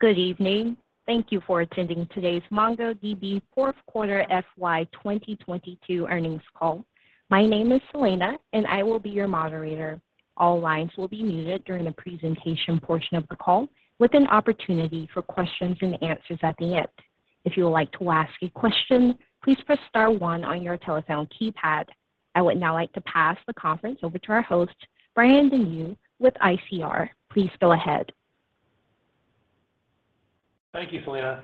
Good evening. Thank you for attending today's MongoDB fourth quarter FY 2022 earnings call. My name is Selena, and I will be your moderator. All lines will be muted during the presentation portion of the call, with an opportunity for questions and answers at the end. If you would like to ask a question, please press star one on your telephone keypad. I would now like to pass the conference over to our host, Brian Denyeau with ICR. Please go ahead. Thank you, Selena.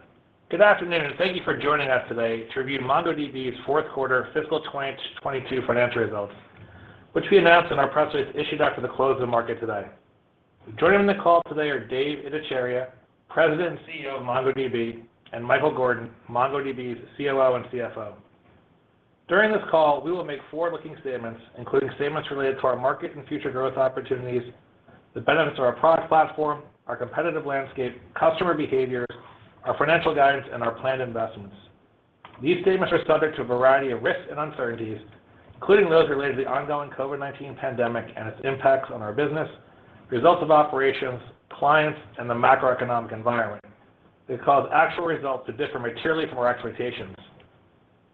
Good afternoon, and thank you for joining us today to review MongoDB's fourth quarter fiscal 2022 financial results, which we announced in our press release issued after the close of the market today. Joining on the call today are Dev Ittycheria, President and CEO of MongoDB, and Michael Gordon, MongoDB's COO and CFO. During this call, we will make forward-looking statements, including statements related to our market and future growth opportunities, the benefits of our product platform, our competitive landscape, customer behaviors, our financial guidance, and our planned investments. These statements are subject to a variety of risks and uncertainties, including those related to the ongoing COVID-19 pandemic and its impacts on our business, results of operations, clients, and the macroeconomic environment. They cause actual results to differ materially from our expectations.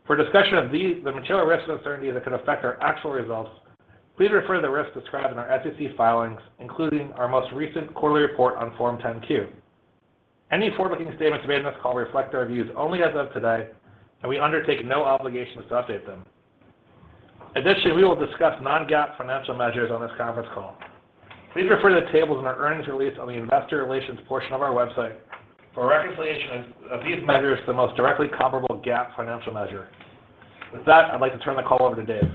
For a discussion of these, the material risks and uncertainties that could affect our actual results, please refer to the risks described in our SEC filings, including our most recent quarterly report on Form 10-Q. Any forward-looking statements made in this call reflect our views only as of today, and we undertake no obligations to update them. Additionally, we will discuss non-GAAP financial measures on this conference call. Please refer to the tables in our earnings release on the investor relations portion of our website for a reconciliation of these measures to the most directly comparable GAAP financial measure. With that, I'd like to turn the call over to Dev.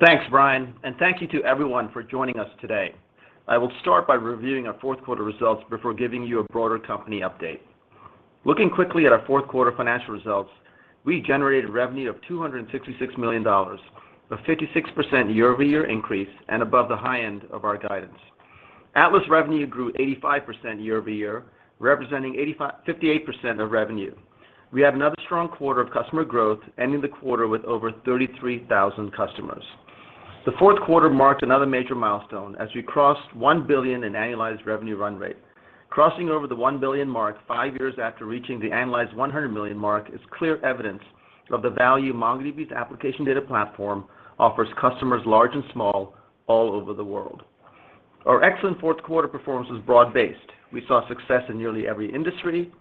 Thanks, Brian. Thank you to everyone for joining us today. I will start by reviewing our fourth quarter results before giving you a broader company update. Looking quickly at our fourth quarter financial results, we generated revenue of $266 million, a 56% year-over-year increase and above the high end of our guidance. Atlas revenue grew 85% year-over-year, representing 58% of revenue. We had another strong quarter of customer growth, ending the quarter with over 33,000 customers. The fourth quarter marked another major milestone as we crossed 1 billion in annualized revenue run rate. Crossing over the 1 billion mark five years after reaching the annualized 100 million mark is clear evidence of the value MongoDB's application data platform offers customers large and small all over the world. Our excellent fourth quarter performance was broad-based. We saw success in nearly every industry,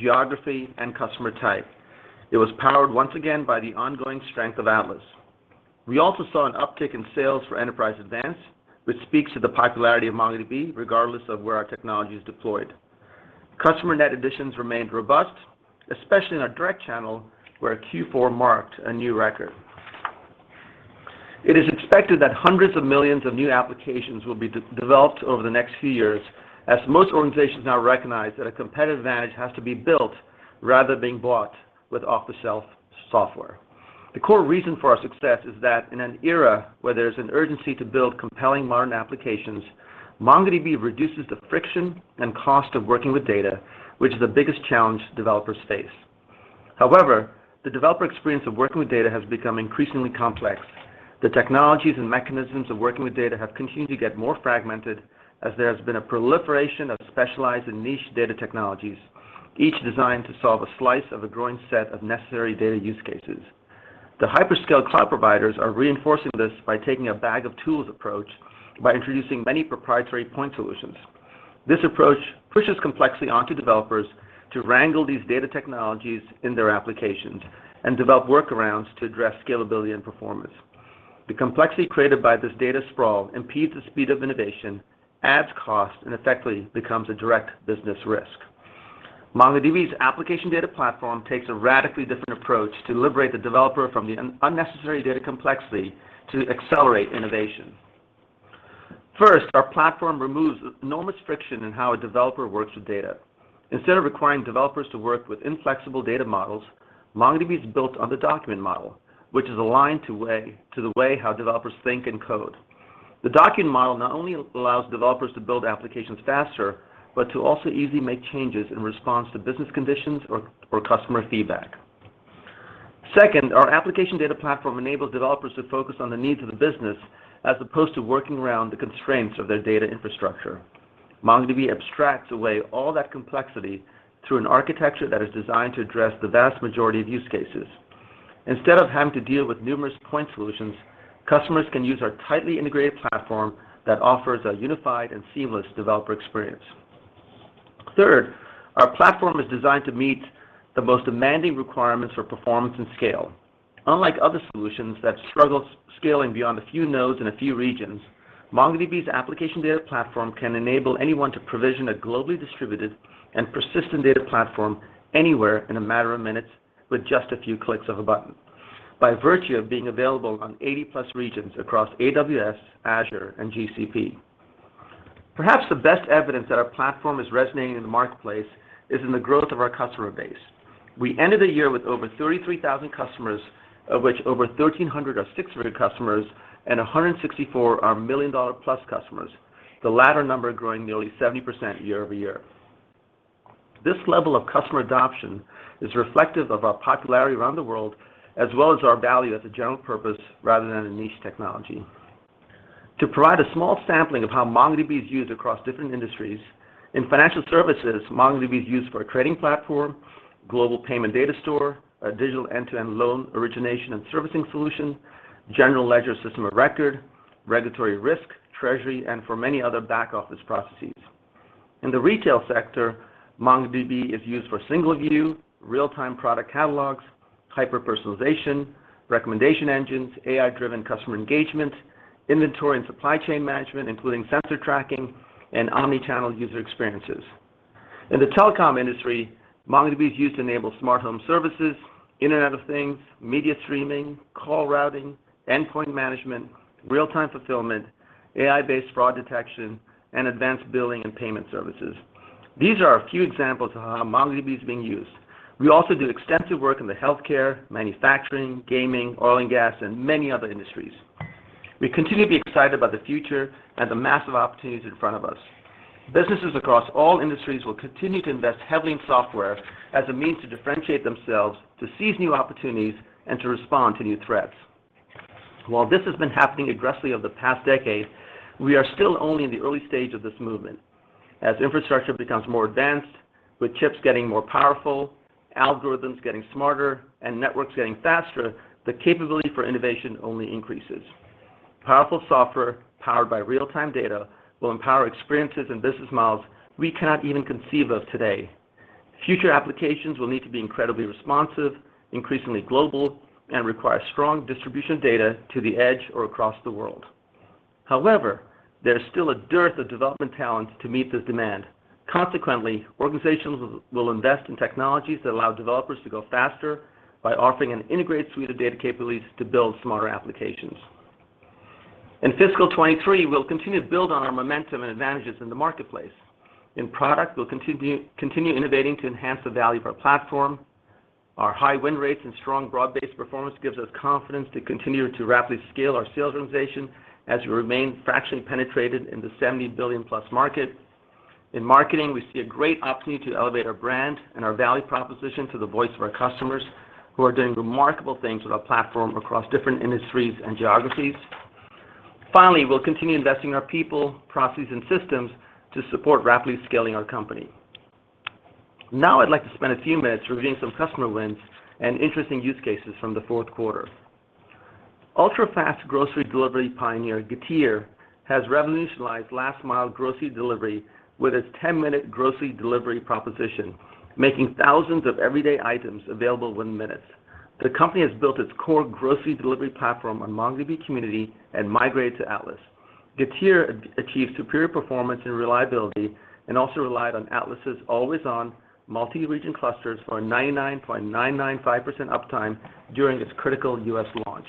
geography, and customer type. It was powered once again by the ongoing strength of Atlas. We also saw an uptick in sales for Enterprise Advanced, which speaks to the popularity of MongoDB regardless of where our technology is deployed. Customer net additions remained robust, especially in our direct channel, where Q4 marked a new record. It is expected that hundreds of millions of new applications will be developed over the next few years as most organizations now recognize that a competitive advantage has to be built rather than being bought with off-the-shelf software. The core reason for our success is that in an era where there's an urgency to build compelling modern applications, MongoDB reduces the friction and cost of working with data, which is the biggest challenge developers face. However, the developer experience of working with data has become increasingly complex. The technologies and mechanisms of working with data have continued to get more fragmented as there has been a proliferation of specialized and niche data technologies, each designed to solve a slice of a growing set of necessary data use cases. The hyperscale cloud providers are reinforcing this by taking a bag-of-tools approach by introducing many proprietary point solutions. This approach pushes complexity onto developers to wrangle these data technologies in their applications and develop workarounds to address scalability and performance. The complexity created by this data sprawl impedes the speed of innovation, adds cost, and effectively becomes a direct business risk. MongoDB's application data platform takes a radically different approach to liberate the developer from the unnecessary data complexity to accelerate innovation. First, our platform removes enormous friction in how a developer works with data. Instead of requiring developers to work with inflexible data models, MongoDB is built on the document model, which is aligned to the way how developers think and code. The document model not only allows developers to build applications faster, but to also easily make changes in response to business conditions or customer feedback. Second, our application data platform enables developers to focus on the needs of the business as opposed to working around the constraints of their data infrastructure. MongoDB abstracts away all that complexity through an architecture that is designed to address the vast majority of use cases. Instead of having to deal with numerous point solutions, customers can use our tightly integrated platform that offers a unified and seamless developer experience. Third, our platform is designed to meet the most demanding requirements for performance and scale. Unlike other solutions that struggle scaling beyond a few nodes in a few regions, MongoDB's application data platform can enable anyone to provision a globally distributed and persistent data platform anywhere in a matter of minutes with just a few clicks of a button by virtue of being available on 80+ regions across AWS, Azure, and GCP. Perhaps the best evidence that our platform is resonating in the marketplace is in the growth of our customer base. We ended the year with over 33,000 customers, of which over 1,300 are six-figure customers and 164 are million-dollar-plus customers, the latter number growing nearly 70% year-over-year. This level of customer adoption is reflective of our popularity around the world as well as our value as a general purpose rather than a niche technology. To provide a small sampling of how MongoDB is used across different industries, in financial services, MongoDB is used for a trading platform, global payment data store, a digital end-to-end loan origination and servicing solution, general ledger system of record, regulatory risk, treasury, and for many other back-office processes. In the retail sector, MongoDB is used for single view, real-time product catalogs, hyper-personalization, recommendation engines, AI-driven customer engagement, inventory and supply chain management, including sensor tracking and omni-channel user experiences. In the telecom industry, MongoDB is used to enable smart home services, Internet of Things, media streaming, call routing, endpoint management, real-time fulfillment, AI-based fraud detection, and advanced billing and payment services. These are a few examples of how MongoDB is being used. We also do extensive work in the healthcare, manufacturing, gaming, oil and gas, and many other industries. We continue to be excited about the future and the massive opportunities in front of us. Businesses across all industries will continue to invest heavily in software as a means to differentiate themselves, to seize new opportunities, and to respond to new threats. While this has been happening aggressively over the past decade, we are still only in the early stage of this movement. As infrastructure becomes more advanced, with chips getting more powerful, algorithms getting smarter, and networks getting faster, the capability for innovation only increases. Powerful software powered by real-time data will empower experiences and business models we cannot even conceive of today. Future applications will need to be incredibly responsive, increasingly global, and require strong distribution data to the edge or across the world. However, there is still a dearth of development talent to meet this demand. Consequently, organizations will invest in technologies that allow developers to go faster by offering an integrated suite of data capabilities to build smarter applications. In fiscal 2023, we'll continue to build on our momentum and advantages in the marketplace. In product, we'll continue innovating to enhance the value of our platform. Our high win rates and strong broad-based performance gives us confidence to continue to rapidly scale our sales organization as we remain fractionally penetrated in the $70 billion+ market. In marketing, we see a great opportunity to elevate our brand and our value proposition to the voice of our customers who are doing remarkable things with our platform across different industries and geographies. Finally, we'll continue investing in our people, processes, and systems to support rapidly scaling our company. Now I'd like to spend a few minutes reviewing some customer wins and interesting use cases from the fourth quarter. Ultrafast grocery delivery pioneer, Getir, has revolutionized last-mile grocery delivery with its 10-minute grocery delivery proposition, making thousands of everyday items available within minutes. The company has built its core grocery delivery platform on MongoDB community and migrated to Atlas. Getir achieved superior performance and reliability and also relied on Atlas' always-on multi-region clusters for a 99.995% uptime during its critical U.S. launch.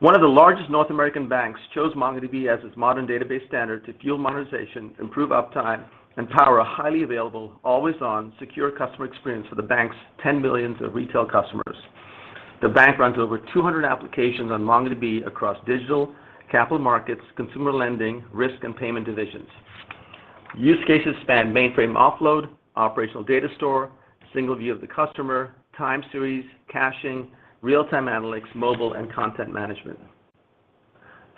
One of the largest North American banks chose MongoDB as its modern database standard to fuel monetization, improve uptime, and power a highly available, always-on, secure customer experience for the bank's 10 million retail customers. The bank runs over 200 applications on MongoDB across digital, capital markets, consumer lending, risk, and payment divisions. Use cases span mainframe offload, operational data store, single view of the customer, time series, caching, real-time analytics, mobile, and content management.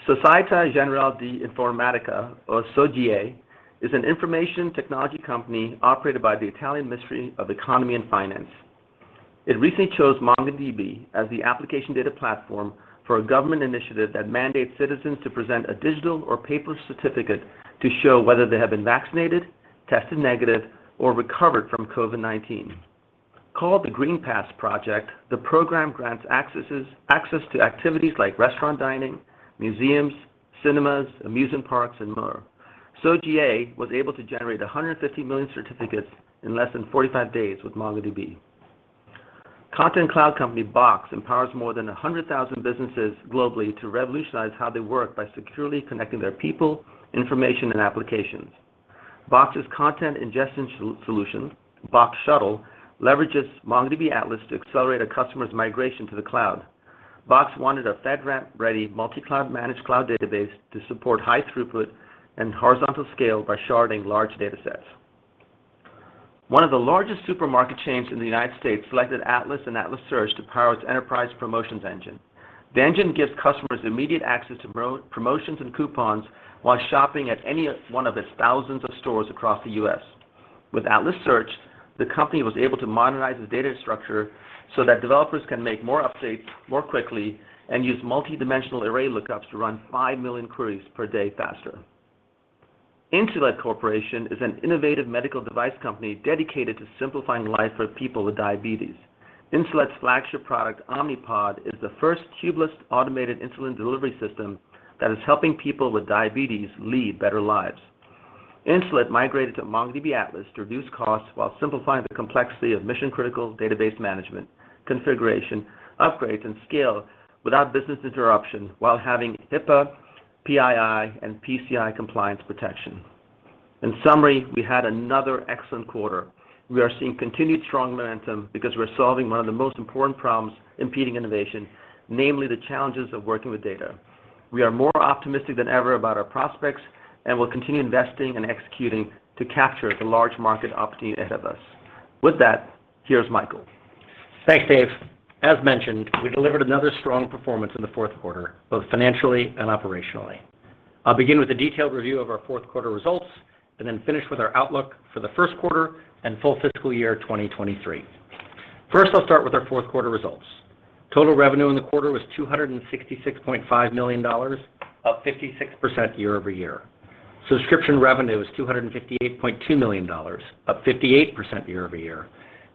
Società Generale d'Informatica, or SOGEI, is an information technology company operated by the Italian Ministry of Economy and Finance. It recently chose MongoDB as the application data platform for a government initiative that mandates citizens to present a digital or paper certificate to show whether they have been vaccinated, tested negative, or recovered from COVID-19. Called the Green Pass project, the program grants access to activities like restaurant dining, museums, cinemas, amusement parks, and more. SOGEI was able to generate 150 million certificates in less than 45 days with MongoDB. Content cloud company, Box, empowers more than 100,000 businesses globally to revolutionize how they work by securely connecting their people, information, and applications. Box's content ingestion solution, Box Shuttle, leverages MongoDB Atlas to accelerate a customer's migration to the cloud. Box wanted a FedRAMP-ready, multi-cloud managed cloud database to support high throughput and horizontal scale by sharding large datasets. One of the largest supermarket chains in the United States selected Atlas and Atlas Search to power its enterprise promotions engine. The engine gives customers immediate access to promotions and coupons while shopping at any one of its thousands of stores across the U.S. With Atlas Search, the company was able to modernize its data structure so that developers can make more updates more quickly and use multi-dimensional array lookups to run 5 million queries per day faster. Insulet Corporation is an innovative medical device company dedicated to simplifying life for people with diabetes. Insulet's flagship product, Omnipod, is the first tubeless automated insulin delivery system that is helping people with diabetes lead better lives. Insulet migrated to MongoDB Atlas to reduce costs while simplifying the complexity of mission-critical database management, configuration, upgrades, and scale without business interruption while having HIPAA, PII, and PCI compliance protection. In summary, we had another excellent quarter. We are seeing continued strong momentum because we're solving one of the most important problems impeding innovation, namely the challenges of working with data. We are more optimistic than ever about our prospects, and we'll continue investing and executing to capture the large market opportunity ahead of us. With that, here's Michael. Thanks, Dev. As mentioned, we delivered another strong performance in the fourth quarter, both financially and operationally. I'll begin with a detailed review of our fourth quarter results and then finish with our outlook for the first quarter and full fiscal year 2023. First, I'll start with our fourth quarter results. Total revenue in the quarter was $266.5 million, up 56% year-over-year. Subscription revenue was $258.2 million, up 58% year-over-year,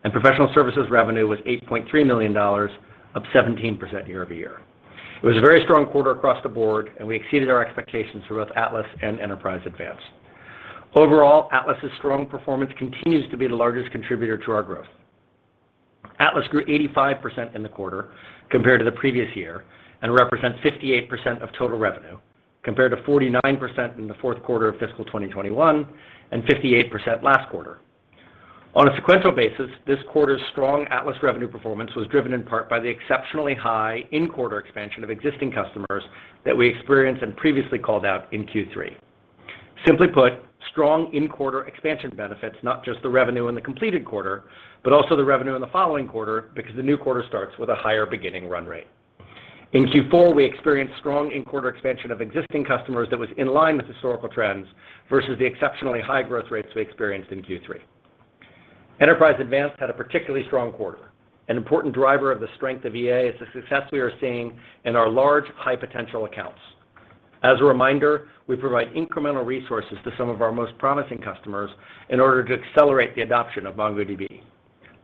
and professional services revenue was $8.3 million, up 17% year-over-year. It was a very strong quarter across the board, and we exceeded our expectations for both Atlas and Enterprise Advanced. Overall, Atlas's strong performance continues to be the largest contributor to our growth. Atlas grew 85% in the quarter compared to the previous year and represents 58% of total revenue, compared to 49% in the fourth quarter of fiscal 2021 and 58% last quarter. On a sequential basis, this quarter's strong Atlas revenue performance was driven in part by the exceptionally high in-quarter expansion of existing customers that we experienced and previously called out in Q3. Simply put, strong in-quarter expansion benefits not just the revenue in the completed quarter, but also the revenue in the following quarter because the new quarter starts with a higher beginning run rate. In Q4, we experienced strong in-quarter expansion of existing customers that was in line with historical trends versus the exceptionally high growth rates we experienced in Q3. Enterprise Advanced had a particularly strong quarter. An important driver of the strength of EA is the success we are seeing in our large, high-potential accounts. As a reminder, we provide incremental resources to some of our most promising customers in order to accelerate the adoption of MongoDB.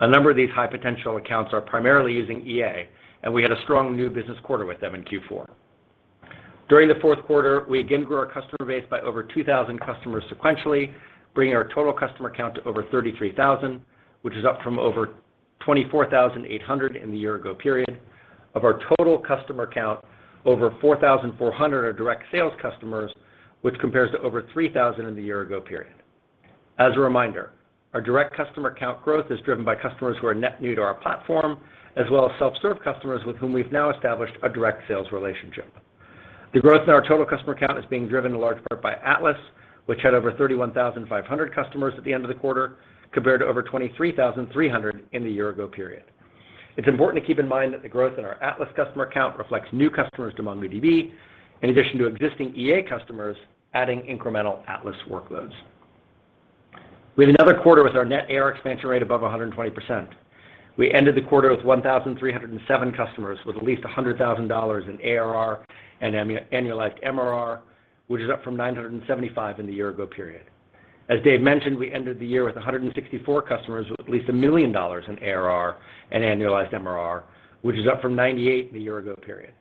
A number of these high-potential accounts are primarily using EA, and we had a strong new business quarter with them in Q4. During the fourth quarter, we again grew our customer base by over 2,000 customers sequentially, bringing our total customer count to over 33,000, which is up from over 24,800 in the year ago period. Of our total customer count, over 4,400 are direct sales customers, which compares to over 3,000 in the year ago period. As a reminder, our direct customer count growth is driven by customers who are net new to our platform, as well as self-serve customers with whom we've now established a direct sales relationship. The growth in our total customer count is being driven in large part by Atlas, which had over 31,500 customers at the end of the quarter, compared to over 23,300 in the year ago period. It's important to keep in mind that the growth in our Atlas customer count reflects new customers to MongoDB, in addition to existing EA customers adding incremental Atlas workloads. We had another quarter with our net ARR expansion rate above 120%. We ended the quarter with 1,307 customers with at least $100,000 in ARR and annualized MRR, which is up from 975 in the year ago period. As Dev mentioned, we ended the year with 164 customers with at least $1 million in ARR and annualized MRR, which is up from 98 in the year ago period.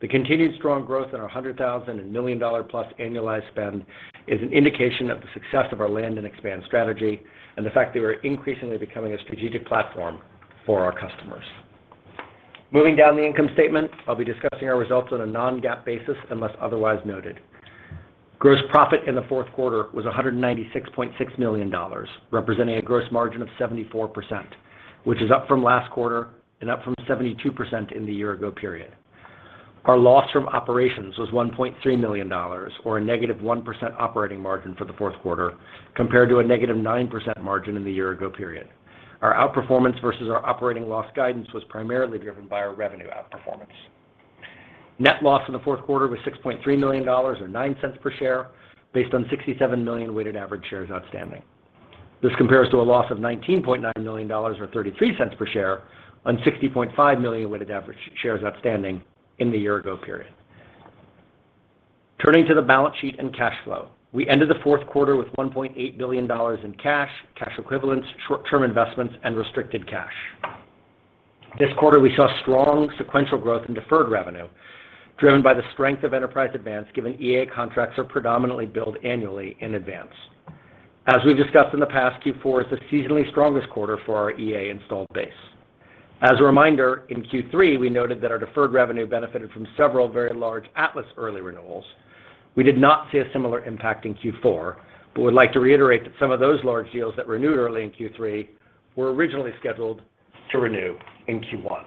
The continued strong growth in our $100,000 and $1 million-plus annualized spend is an indication of the success of our land and expand strategy and the fact that we're increasingly becoming a strategic platform for our customers. Moving down the income statement, I'll be discussing our results on a non-GAAP basis unless otherwise noted. Gross profit in the fourth quarter was $196.6 million, representing a gross margin of 74%, which is up from last quarter and up from 72% in the year-ago period. Our loss from operations was $1.3 million or a negative 1% operating margin for the fourth quarter compared to a negative 9% margin in the year-ago period. Our outperformance versus our operating loss guidance was primarily driven by our revenue outperformance. Net loss in the fourth quarter was $6.3 million or $0.09 per share based on 67 million weighted average shares outstanding. This compares to a loss of $19.9 million or $0.33 per share on 60.5 million weighted average shares outstanding in the year-ago period. Turning to the balance sheet and cash flow. We ended the fourth quarter with $1.8 billion in cash equivalents, short-term investments and restricted cash. This quarter, we saw strong sequential growth in deferred revenue driven by the strength of Enterprise Advanced, given EA contracts are predominantly billed annually in advance. As we've discussed in the past, Q4 is the seasonally strongest quarter for our EA installed base. As a reminder, in Q3, we noted that our deferred revenue benefited from several very large Atlas early renewals. We did not see a similar impact in Q4, but would like to reiterate that some of those large deals that renewed early in Q3 were originally scheduled to renew in Q1.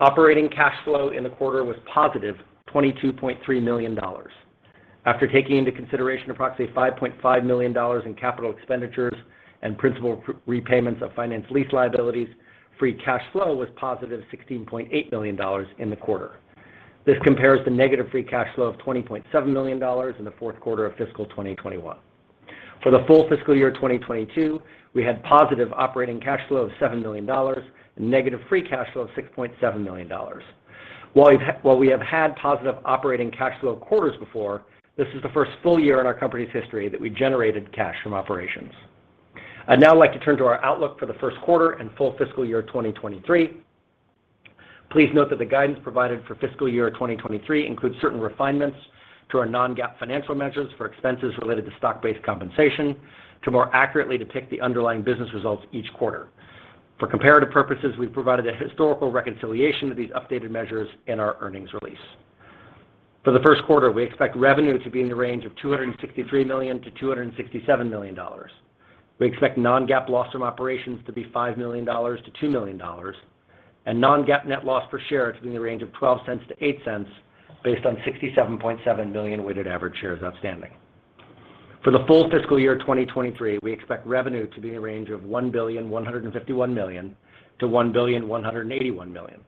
Operating cash flow in the quarter was positive $22.3 million. After taking into consideration approximately $5.5 million in capital expenditures and principal repayments of finance lease liabilities, free cash flow was positive $16.8 million in the quarter. This compares to negative free cash flow of $20.7 million in the fourth quarter of fiscal 2021. For the full fiscal year 2022, we had positive operating cash flow of $7 million and negative free cash flow of $6.7 million. While we have had positive operating cash flow quarters before, this is the first full year in our company's history that we generated cash from operations. I'd now like to turn to our outlook for the first quarter and full fiscal year 2023. Please note that the guidance provided for fiscal year 2023 includes certain refinements to our non-GAAP financial measures for expenses related to stock-based compensation to more accurately depict the underlying business results each quarter. For comparative purposes, we've provided a historical reconciliation of these updated measures in our earnings release. For the first quarter, we expect revenue to be in the range of $263 million-$267 million. We expect non-GAAP loss from operations to be $5 million-$2 million, and non-GAAP net loss per share to be in the range of $0.12-$0.08 based on 67.7 million weighted average shares outstanding. For the full fiscal year 2023, we expect revenue to be in a range of $1.151 billion-$1.181 billion.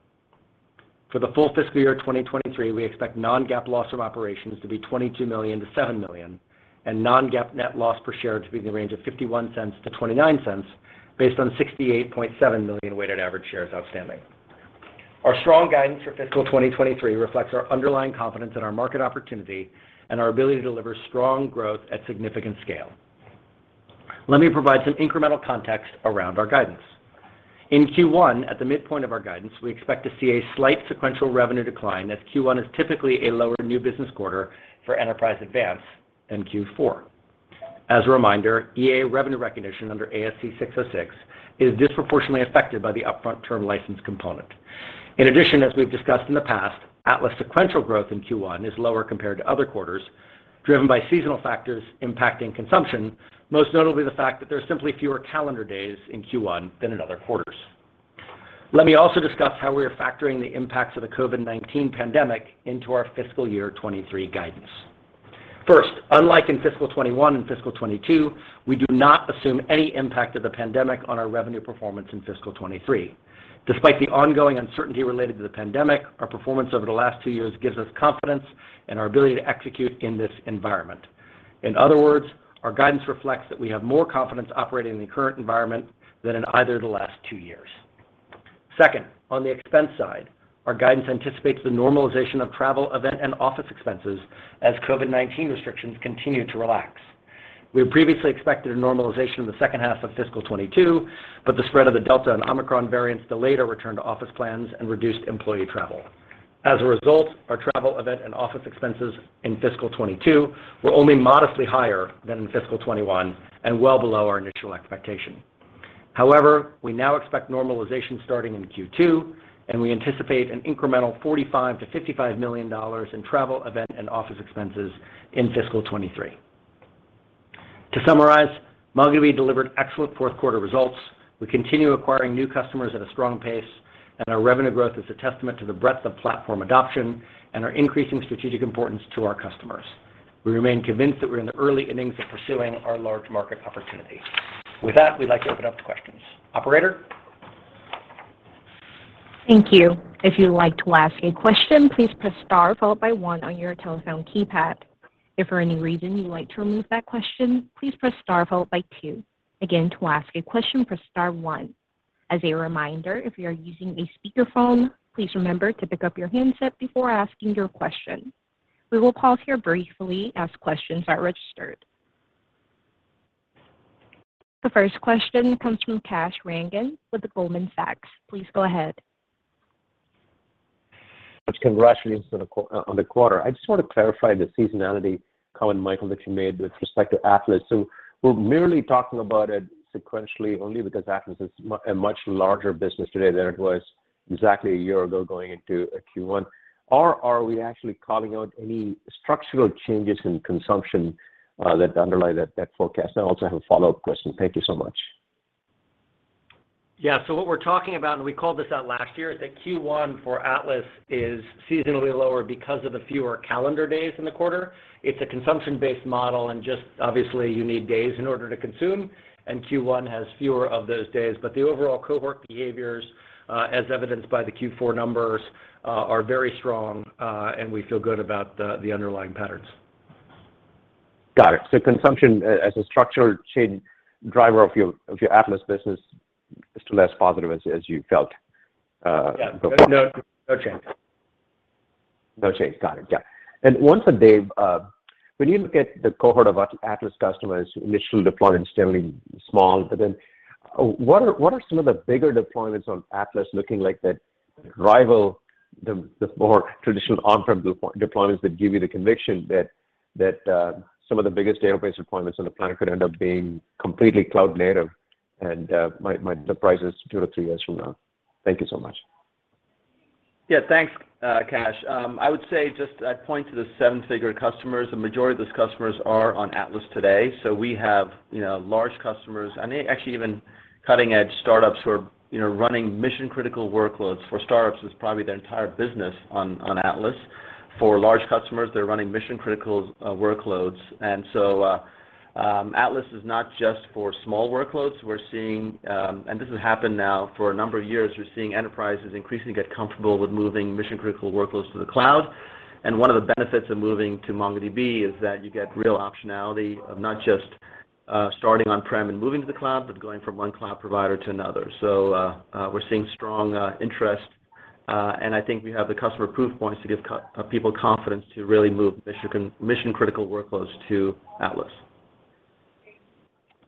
For the full fiscal year 2023, we expect non-GAAP loss from operations to be $22 million-$7 million, and non-GAAP net loss per share to be in the range of $0.51-$0.29 based on 68.7 million weighted average shares outstanding. Our strong guidance for fiscal 2023 reflects our underlying confidence in our market opportunity and our ability to deliver strong growth at significant scale. Let me provide some incremental context around our guidance. In Q1, at the midpoint of our guidance, we expect to see a slight sequential revenue decline as Q1 is typically a lower new business quarter for Enterprise Advanced than Q4. As a reminder, EA revenue recognition under ASC 606 is disproportionately affected by the upfront term license component. In addition, as we've discussed in the past, Atlas sequential growth in Q1 is lower compared to other quarters, driven by seasonal factors impacting consumption, most notably the fact that there's simply fewer calendar days in Q1 than in other quarters. Let me also discuss how we are factoring the impacts of the COVID-19 pandemic into our fiscal year 2023 guidance. First, unlike in fiscal 2021 and fiscal 2022, we do not assume any impact of the pandemic on our revenue performance in fiscal 2023. Despite the ongoing uncertainty related to the pandemic, our performance over the last two years gives us confidence in our ability to execute in this environment. In other words, our guidance reflects that we have more confidence operating in the current environment than in either of the last two years. Second, on the expense side, our guidance anticipates the normalization of travel, event, and office expenses as COVID-19 restrictions continue to relax. We had previously expected a normalization in the second half of fiscal 2022, but the spread of the Delta and Omicron variants delayed our return to office plans and reduced employee travel. As a result, our travel, event, and office expenses in fiscal 2022 were only modestly higher than in fiscal 2021 and well below our initial expectation. However, we now expect normalization starting in Q2, and we anticipate an incremental $45 million-$55 million in travel, event, and office expenses in fiscal 2023. To summarize, MongoDB delivered excellent fourth quarter results. We continue acquiring new customers at a strong pace, and our revenue growth is a testament to the breadth of platform adoption and our increasing strategic importance to our customers. We remain convinced that we're in the early innings of pursuing our large market opportunity. With that, we'd like to open up to questions. Operator? Thank you. If you'd like to ask a question, please press star followed by one on your telephone keypad. If for any reason you'd like to remove that question, please press star followed by two. Again, to ask a question, press star one. As a reminder, if you are using a speakerphone, please remember to pick up your handset before asking your question. We will pause here briefly as questions are registered. The first question comes from Kash Rangan with Goldman Sachs. Please go ahead. Much congratulations on the quarter. I just want to clarify the seasonality comment, Michael, that you made with respect to Atlas. We're merely talking about it sequentially only because Atlas is a much larger business today than it was exactly a year ago going into a Q1. Or are we actually calling out any structural changes in consumption that underlie that forecast? I also have a follow-up question. Thank you so much. Yeah. What we're talking about, and we called this out last year, is that Q1 for Atlas is seasonally lower because of the fewer calendar days in the quarter. It's a consumption-based model, and just obviously you need days in order to consume, and Q1 has fewer of those days. The overall cohort behaviors, as evidenced by the Q4 numbers, are very strong, and we feel good about the underlying patterns. Got it. Consumption as a structural change driver of your Atlas business is still less positive as you felt before. Yeah. No change. No change. Got it. Yeah. One for Dev. When you look at the cohort of Atlas customers, initial deployments generally small. But then, what are some of the bigger deployments on Atlas looking like that rival the more traditional on-prem deployments that give you the conviction that some of the biggest database deployments on the planet could end up being completely cloud native and might surprise us two to three years from now? Thank you so much. Yeah. Thanks, Kash. I would say just I'd point to the seven-figure customers. The majority of those customers are on Atlas today. We have, you know, large customers and actually even cutting-edge startups who are, you know, running mission-critical workloads. For startups, it's probably their entire business on Atlas. For large customers, they're running mission-critical workloads. Atlas is not just for small workloads. This has happened now for a number of years. We're seeing enterprises increasingly get comfortable with moving mission-critical workloads to the cloud. One of the benefits of moving to MongoDB is that you get real optionality of not just starting on-prem and moving to the cloud, but going from one cloud provider to another. We're seeing strong interest, and I think we have the customer proof points to give people confidence to really move mission-critical workloads to Atlas.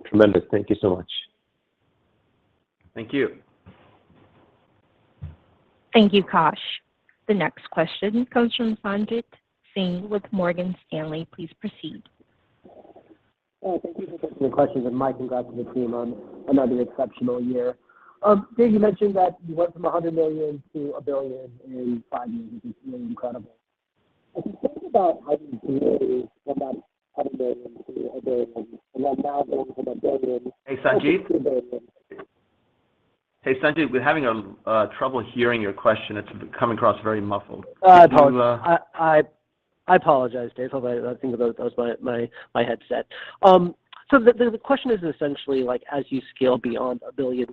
Tremendous. Thank you so much. Thank you. Thank you, Kash. The next question comes from Sanjit Singh with Morgan Stanley. Please proceed. Oh, thank you for taking the question. My congrats to the team on another exceptional year. Dev, you mentioned that you went from $100 million to $1 billion in five years, which is really incredible. I've been thinking about how you Hey, Sanjit? -to $2 billion. Hey, Sanjit, we're having trouble hearing your question. It's coming across very muffled. Can you Apologies. I apologize, Dev. That was my headset. So the question is essentially like, as you scale beyond $1 billion,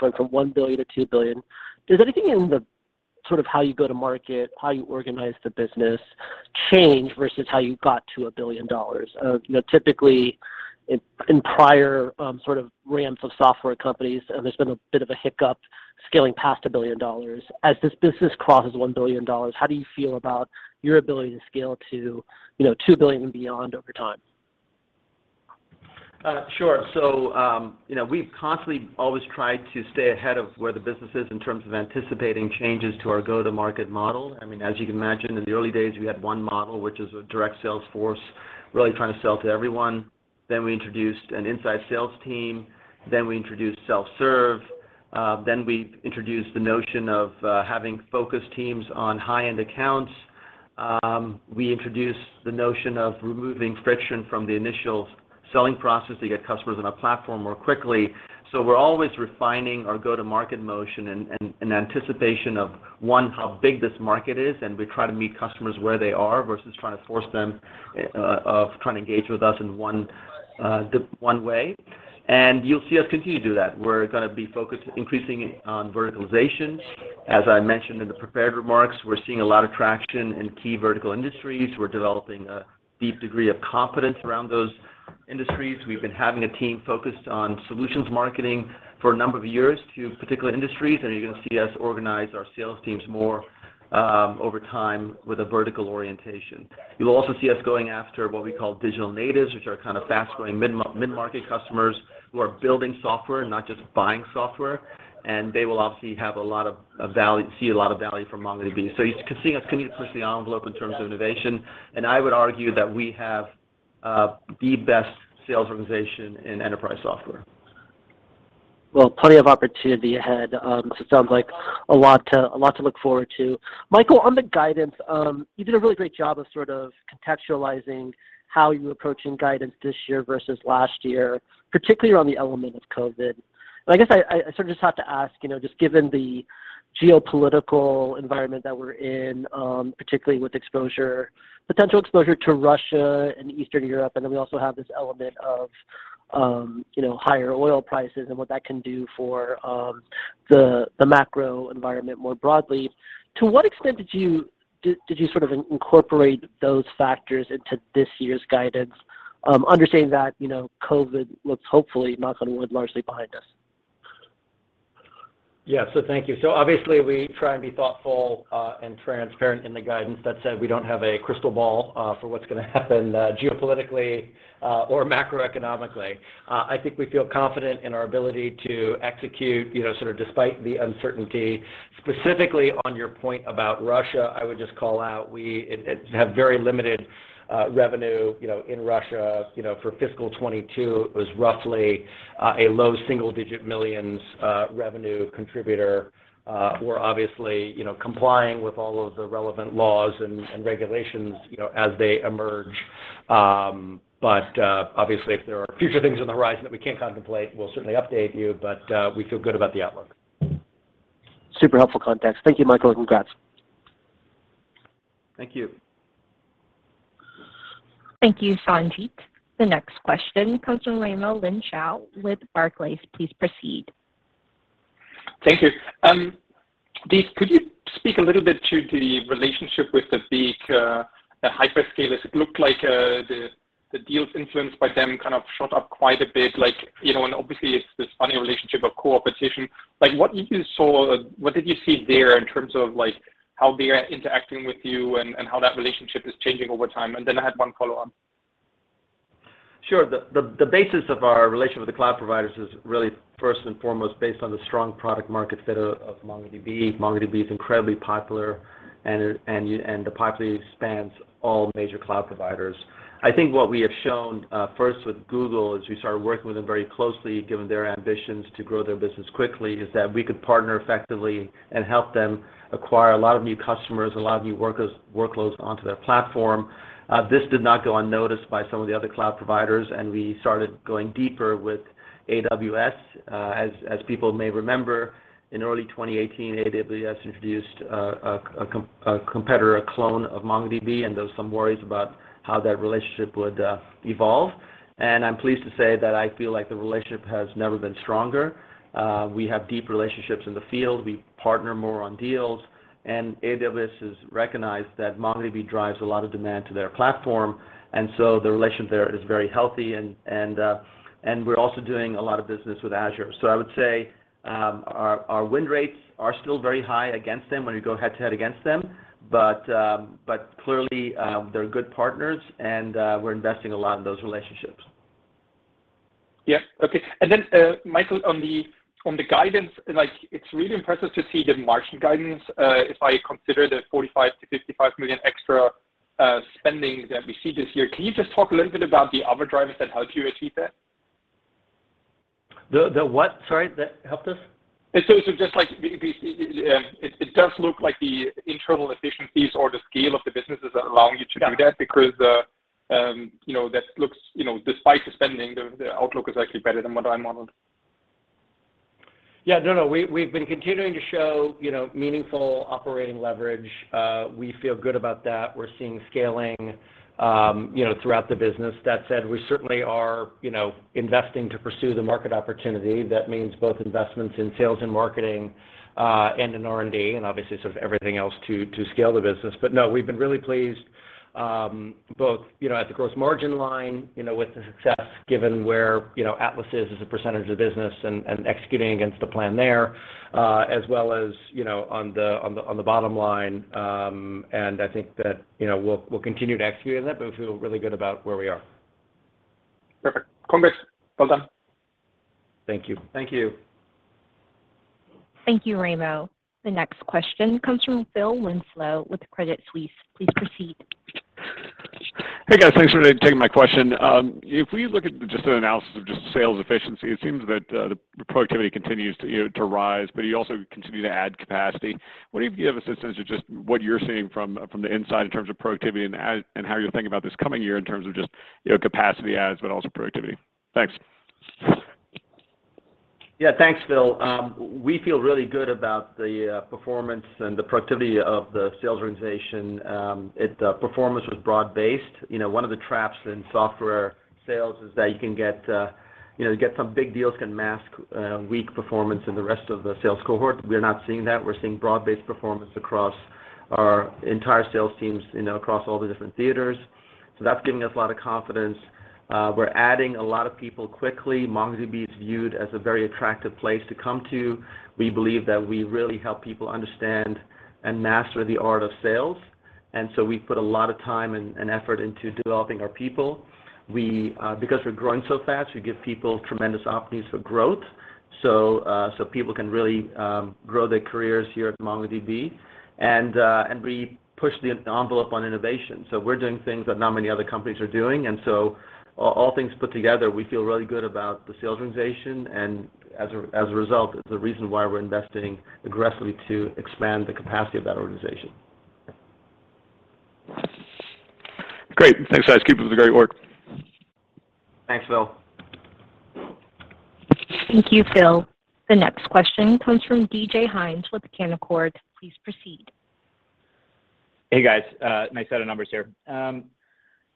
going from $1 billion-$2 billion, does anything in the sort of how you go to market, how you organize the business change versus how you got to $1 billion? You know, typically in prior sort of ramps of software companies, there's been a bit of a hiccup scaling past $1 billion. As this business crosses $1 billion, how do you feel about your ability to scale to, you know, $2 billion and beyond over time? Sure. You know, we've constantly always tried to stay ahead of where the business is in terms of anticipating changes to our go-to-market model. I mean, as you can imagine, in the early days, we had one model, which is a direct sales force, really trying to sell to everyone. Then we introduced an inside sales team, then we introduced self-serve, then we introduced the notion of having focus teams on high-end accounts. We introduced the notion of removing friction from the initial selling process to get customers on our platform more quickly. We're always refining our go-to-market motion and in anticipation of one, how big this market is, and we try to meet customers where they are versus trying to force them to engage with us in one way. You'll see us continue to do that. We're gonna be focused on increasing verticalizations. As I mentioned in the prepared remarks, we're seeing a lot of traction in key vertical industries. We're developing a deep degree of competence around those industries. We've been having a team focused on solutions marketing for a number of years to particular industries, and you're gonna see us organize our sales teams more over time with a vertical orientation. You'll also see us going after what we call digital natives, which are kind of fast-growing mid-market customers who are building software, not just buying software. They will obviously see a lot of value from MongoDB. You can see us continue to push the envelope in terms of innovation, and I would argue that we have the best sales organization in enterprise software. Well, plenty of opportunity ahead. It sounds like a lot to look forward to. Michael, on the guidance, you did a really great job of sort of contextualizing how you're approaching guidance this year versus last year, particularly on the element of COVID. I guess I sort of just have to ask, you know, just given the geopolitical environment that we're in, particularly with exposure, potential exposure to Russia and Eastern Europe, and then we also have this element of, you know, higher oil prices and what that can do for the macro environment more broadly. To what extent did you sort of incorporate those factors into this year's guidance, understanding that, you know, COVID looks hopefully, knock on wood, largely behind us? Yeah. Thank you. Obviously, we try and be thoughtful and transparent in the guidance. That said, we don't have a crystal ball for what's gonna happen geopolitically or macroeconomically. I think we feel confident in our ability to execute, you know, sort of despite the uncertainty. Specifically on your point about Russia, I would just call out, we have very limited revenue, you know, in Russia, you know, for fiscal 2022, it was roughly a low single-digit millions revenue contributor. We're obviously, you know, complying with all of the relevant laws and regulations, you know, as they emerge. Obviously, if there are future things on the horizon that we can't contemplate, we'll certainly update you, but we feel good about the outlook. Super helpful context. Thank you, Michael, and congrats. Thank you. Thank you, Sanjit. The next question comes from Raimo Lenschow with Barclays. Please proceed. Thank you. Dev, could you speak a little bit to the relationship with the big hyperscalers? It looked like the deals influenced by them kind of shot up quite a bit, like, you know, and obviously it's this funny relationship of cooperation. Like, what did you see there in terms of, like, how they are interacting with you and how that relationship is changing over time? Then I had one follow on. Sure. The basis of our relationship with the cloud providers is really first and foremost based on the strong product markets that of MongoDB. MongoDB is incredibly popular and the popularity spans all major cloud providers. I think what we have shown first with Google, as we started working with them very closely, given their ambitions to grow their business quickly, is that we could partner effectively and help them acquire a lot of new customers, a lot of new workloads onto their platform. This did not go unnoticed by some of the other cloud providers, and we started going deeper with AWS. As people may remember, in early 2018, AWS introduced a competitor clone of MongoDB, and there was some worries about how that relationship would evolve. I'm pleased to say that I feel like the relationship has never been stronger. We have deep relationships in the field. We partner more on deals, and AWS has recognized that MongoDB drives a lot of demand to their platform. The relationship there is very healthy and we're also doing a lot of business with Azure. I would say our win rates are still very high against them when we go head-to-head against them. Clearly, they're good partners and we're investing a lot in those relationships. Yeah. Okay. Michael, on the guidance, like it's really impressive to see the margin guidance, if I consider the $45 million-$55 million extra spending that we see this year. Can you just talk a little bit about the other drivers that help you achieve that? The what, sorry, that helped us? It's also just like it does look like the internal efficiencies or the scale of the businesses are allowing you to do that- Yeah. -because the, you know, that looks, you know, despite the spending, the outlook is actually better than what I modeled. Yeah, no. We've been continuing to show, you know, meaningful operating leverage. We feel good about that. We're seeing scaling, you know, throughout the business. That said, we certainly are, you know, investing to pursue the market opportunity. That means both investments in sales and marketing, and in R&D, and obviously sort of everything else to scale the business. No, we've been really pleased, both, you know, at the gross margin line, you know, with the success given where, you know, Atlas is as a percentage of the business and executing against the plan there, as well as, you know, on the bottom line. And I think that, you know, we'll continue to execute on that, but we feel really good about where we are. Perfect. Congrats. Well done. Thank you. Thank you. Thank you, Raimo. The next question comes from Phil Winslow with Credit Suisse. Please proceed. Hey, guys. Thanks for taking my question. If we look at just the analysis of just sales efficiency, it seems that the productivity continues to, you know, to rise, but you also continue to add capacity. What if you have a sense of just what you're seeing from the inside in terms of productivity and how you're thinking about this coming year in terms of just, you know, capacity adds but also productivity? Thanks. Thanks, Phil. We feel really good about the performance and the productivity of the sales organization. The performance was broad-based. You know, one of the traps in software sales is that you can get some big deals can mask weak performance in the rest of the sales cohort. We're not seeing that. We're seeing broad-based performance across our entire sales teams, you know, across all the different theaters. That's giving us a lot of confidence. We're adding a lot of people quickly. MongoDB is viewed as a very attractive place to come to. We believe that we really help people understand and master the art of sales. We put a lot of time and effort into developing our people. Because we're growing so fast, we give people tremendous opportunities for growth. People can really grow their careers here at MongoDB. We push the envelope on innovation. We're doing things that not many other companies are doing. All things put together, we feel really good about the sales organization. As a result, the reason why we're investing aggressively to expand the capacity of that organization. Great. Thanks, guys. Keep up the great work. Thanks, Phil. Thank you, Phil. The next question comes from DJ Hynes with Canaccord. Please proceed. Hey, guys. Nice set of numbers here.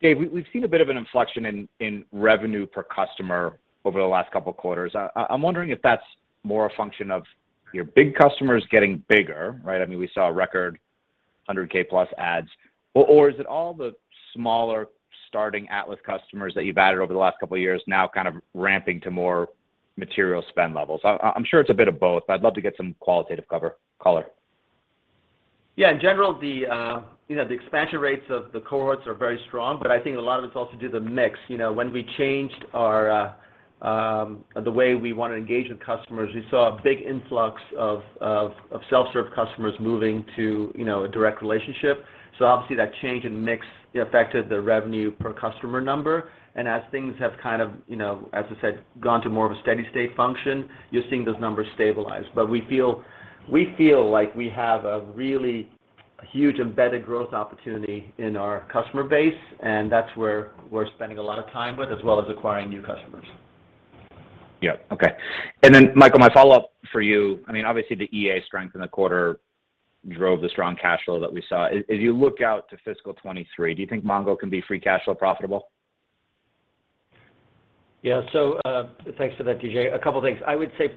Dev, we've seen a bit of an inflection in revenue per customer over the last couple of quarters. I'm wondering if that's more a function of your big customers getting bigger, right? I mean, we saw a record 100k+ adds. Or is it all the smaller starting Atlas customers that you've added over the last couple of years now kind of ramping to more material spend levels? I'm sure it's a bit of both. I'd love to get some qualitative color. Yeah. In general, you know, the expansion rates of the cohorts are very strong, but I think a lot of it is also due to the mix. When we changed the way we want to engage with customers, we saw a big influx of self-serve customers moving to a direct relationship. Obviously, that change in mix affected the revenue per customer number. As things have kind of, you know, as I said, gone to more of a steady state function, you're seeing those numbers stabilize. We feel like we have a really huge embedded growth opportunity in our customer base, and that's where we're spending a lot of time with, as well as acquiring new customers. Yeah. Okay. Michael, my follow-up for you. I mean, obviously the EA strength in the quarter drove the strong cash flow that we saw. As you look out to fiscal 2023, do you think Mongo can be free cash flow profitable? Yeah. Thanks for that, DJ. A couple of things. I would say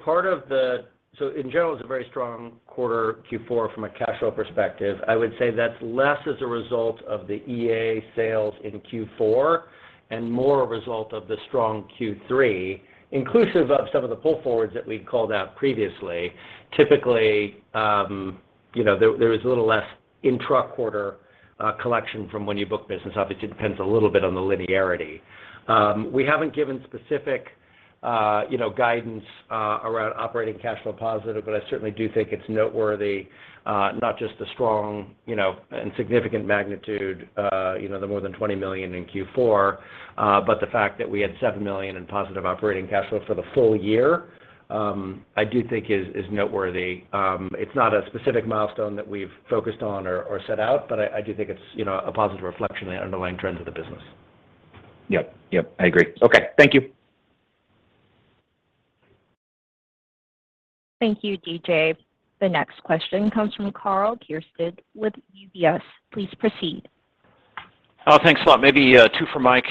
in general, it's a very strong quarter, Q4 from a cash flow perspective. I would say that's less as a result of the EA sales in Q4 and more a result of the strong Q3, inclusive of some of the pull forwards that we called out previously. Typically, you know, there is a little less intra-quarter collection from when you book business. Obviously, it depends a little bit on the linearity. We haven't given specific, you know, guidance around operating cash flow positive, but I certainly do think it's noteworthy, not just the strong, you know, and significant magnitude, you know, the more than $20 million in Q4, but the fact that we had $7 million in positive operating cash flow for the full year. I do think it is noteworthy. It's not a specific milestone that we've focused on or set out, but I do think it's, you know, a positive reflection on the underlying trends of the business. Yep. Yep. I agree. Okay. Thank you. Thank you, DJ. The next question comes from Karl Keirstead with UBS. Please proceed. Thanks a lot. Maybe two for Mike.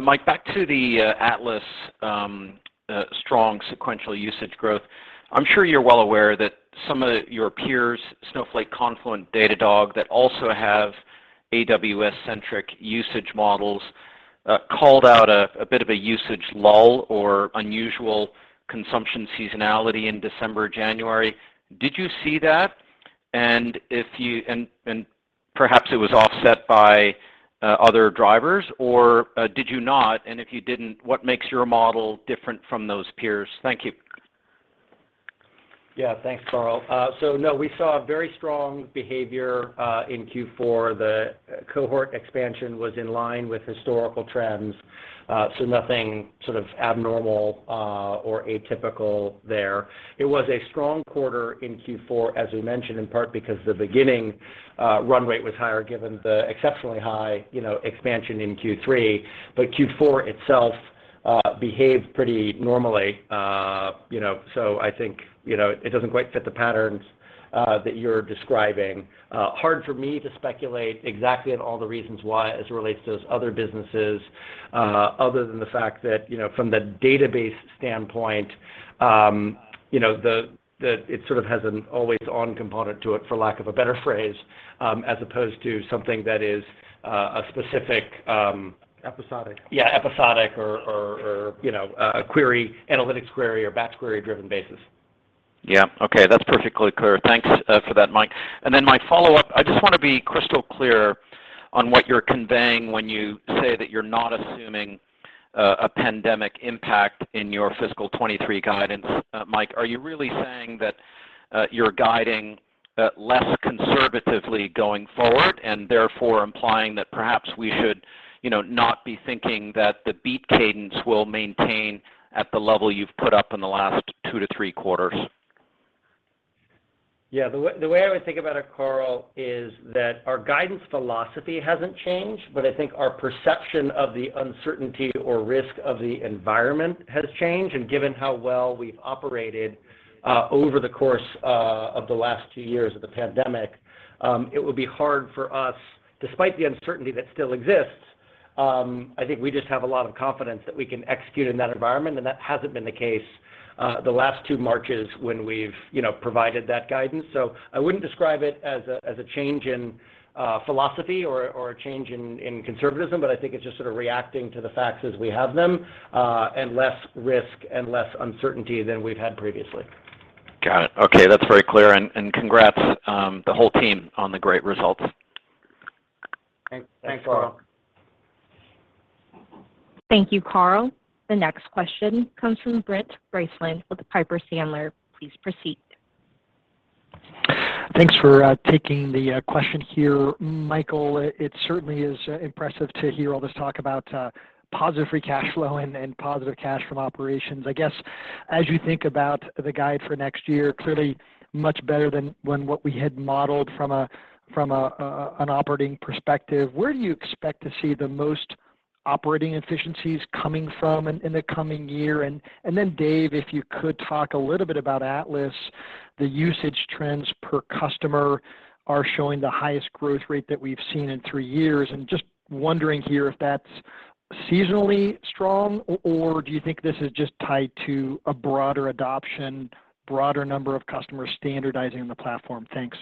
Mike, back to the Atlas strong sequential usage growth. I'm sure you're well aware that some of your peers, Snowflake, Confluent, Datadog, that also have AWS-centric usage models, called out a bit of a usage lull or unusual consumption seasonality in December, January. Did you see that? Perhaps it was offset by other drivers, or did you not? If you didn't, what makes your model different from those peers? Thank you. Yeah. Thanks, Karl. No, we saw a very strong behavior in Q4. The cohort expansion was in line with historical trends. Nothing sort of abnormal or atypical there. It was a strong quarter in Q4, as we mentioned, in part because the beginning run rate was higher given the exceptionally high, you know, expansion in Q3. Q4 itself behaved pretty normally. You know, I think it doesn't quite fit the patterns that you're describing. Hard for me to speculate exactly on all the reasons why as it relates to those other businesses, other than the fact that, you know, from the database standpoint, you know, that it sort of has an always-on component to it, for lack of a better phrase, as opposed to something that is a specific- Episodic. Yeah, episodic or, you know, analytics query or batch query-driven basis. Yeah. Okay. That's perfectly clear. Thanks for that, Mike. My follow-up, I just wanna be crystal clear on what you're conveying when you say that you're not assuming a pandemic impact in your fiscal 2023 guidance, Mike. Are you really saying that you're guiding less conservatively going forward and therefore implying that perhaps we should, you know, not be thinking that the beat cadence will maintain at the level you've put up in the last two to three quarters? Yeah. The way I would think about it, Karl, is that our guidance philosophy hasn't changed, but I think our perception of the uncertainty or risk of the environment has changed. Given how well we've operated over the course of the last two years of the pandemic, it would be hard for us. Despite the uncertainty that still exists, I think we just have a lot of confidence that we can execute in that environment, and that hasn't been the case the last two Marches when we've, you know, provided that guidance. I wouldn't describe it as a change in philosophy or a change in conservatism, but I think it's just sort of reacting to the facts as we have them, and less risk and less uncertainty than we've had previously. Got it. Okay. That's very clear. Congrats to the whole team on the great results. Thanks, Karl. Thank you, Karl. The next question comes from Brent Bracelin with Piper Sandler. Please proceed. Thanks for taking the question here, Michael. It certainly is impressive to hear all this talk about positive free cash flow and positive cash from operations. I guess, as you think about the guide for next year, clearly much better than what we had modeled from an operating perspective. Where do you expect to see the most operating efficiencies coming from in the coming year? Then Dev, if you could talk a little bit about Atlas, the usage trends per customer are showing the highest growth rate that we've seen in three years. Just wondering here if that's seasonally strong or do you think this is just tied to a broader adoption, broader number of customers standardizing the platform? Thanks.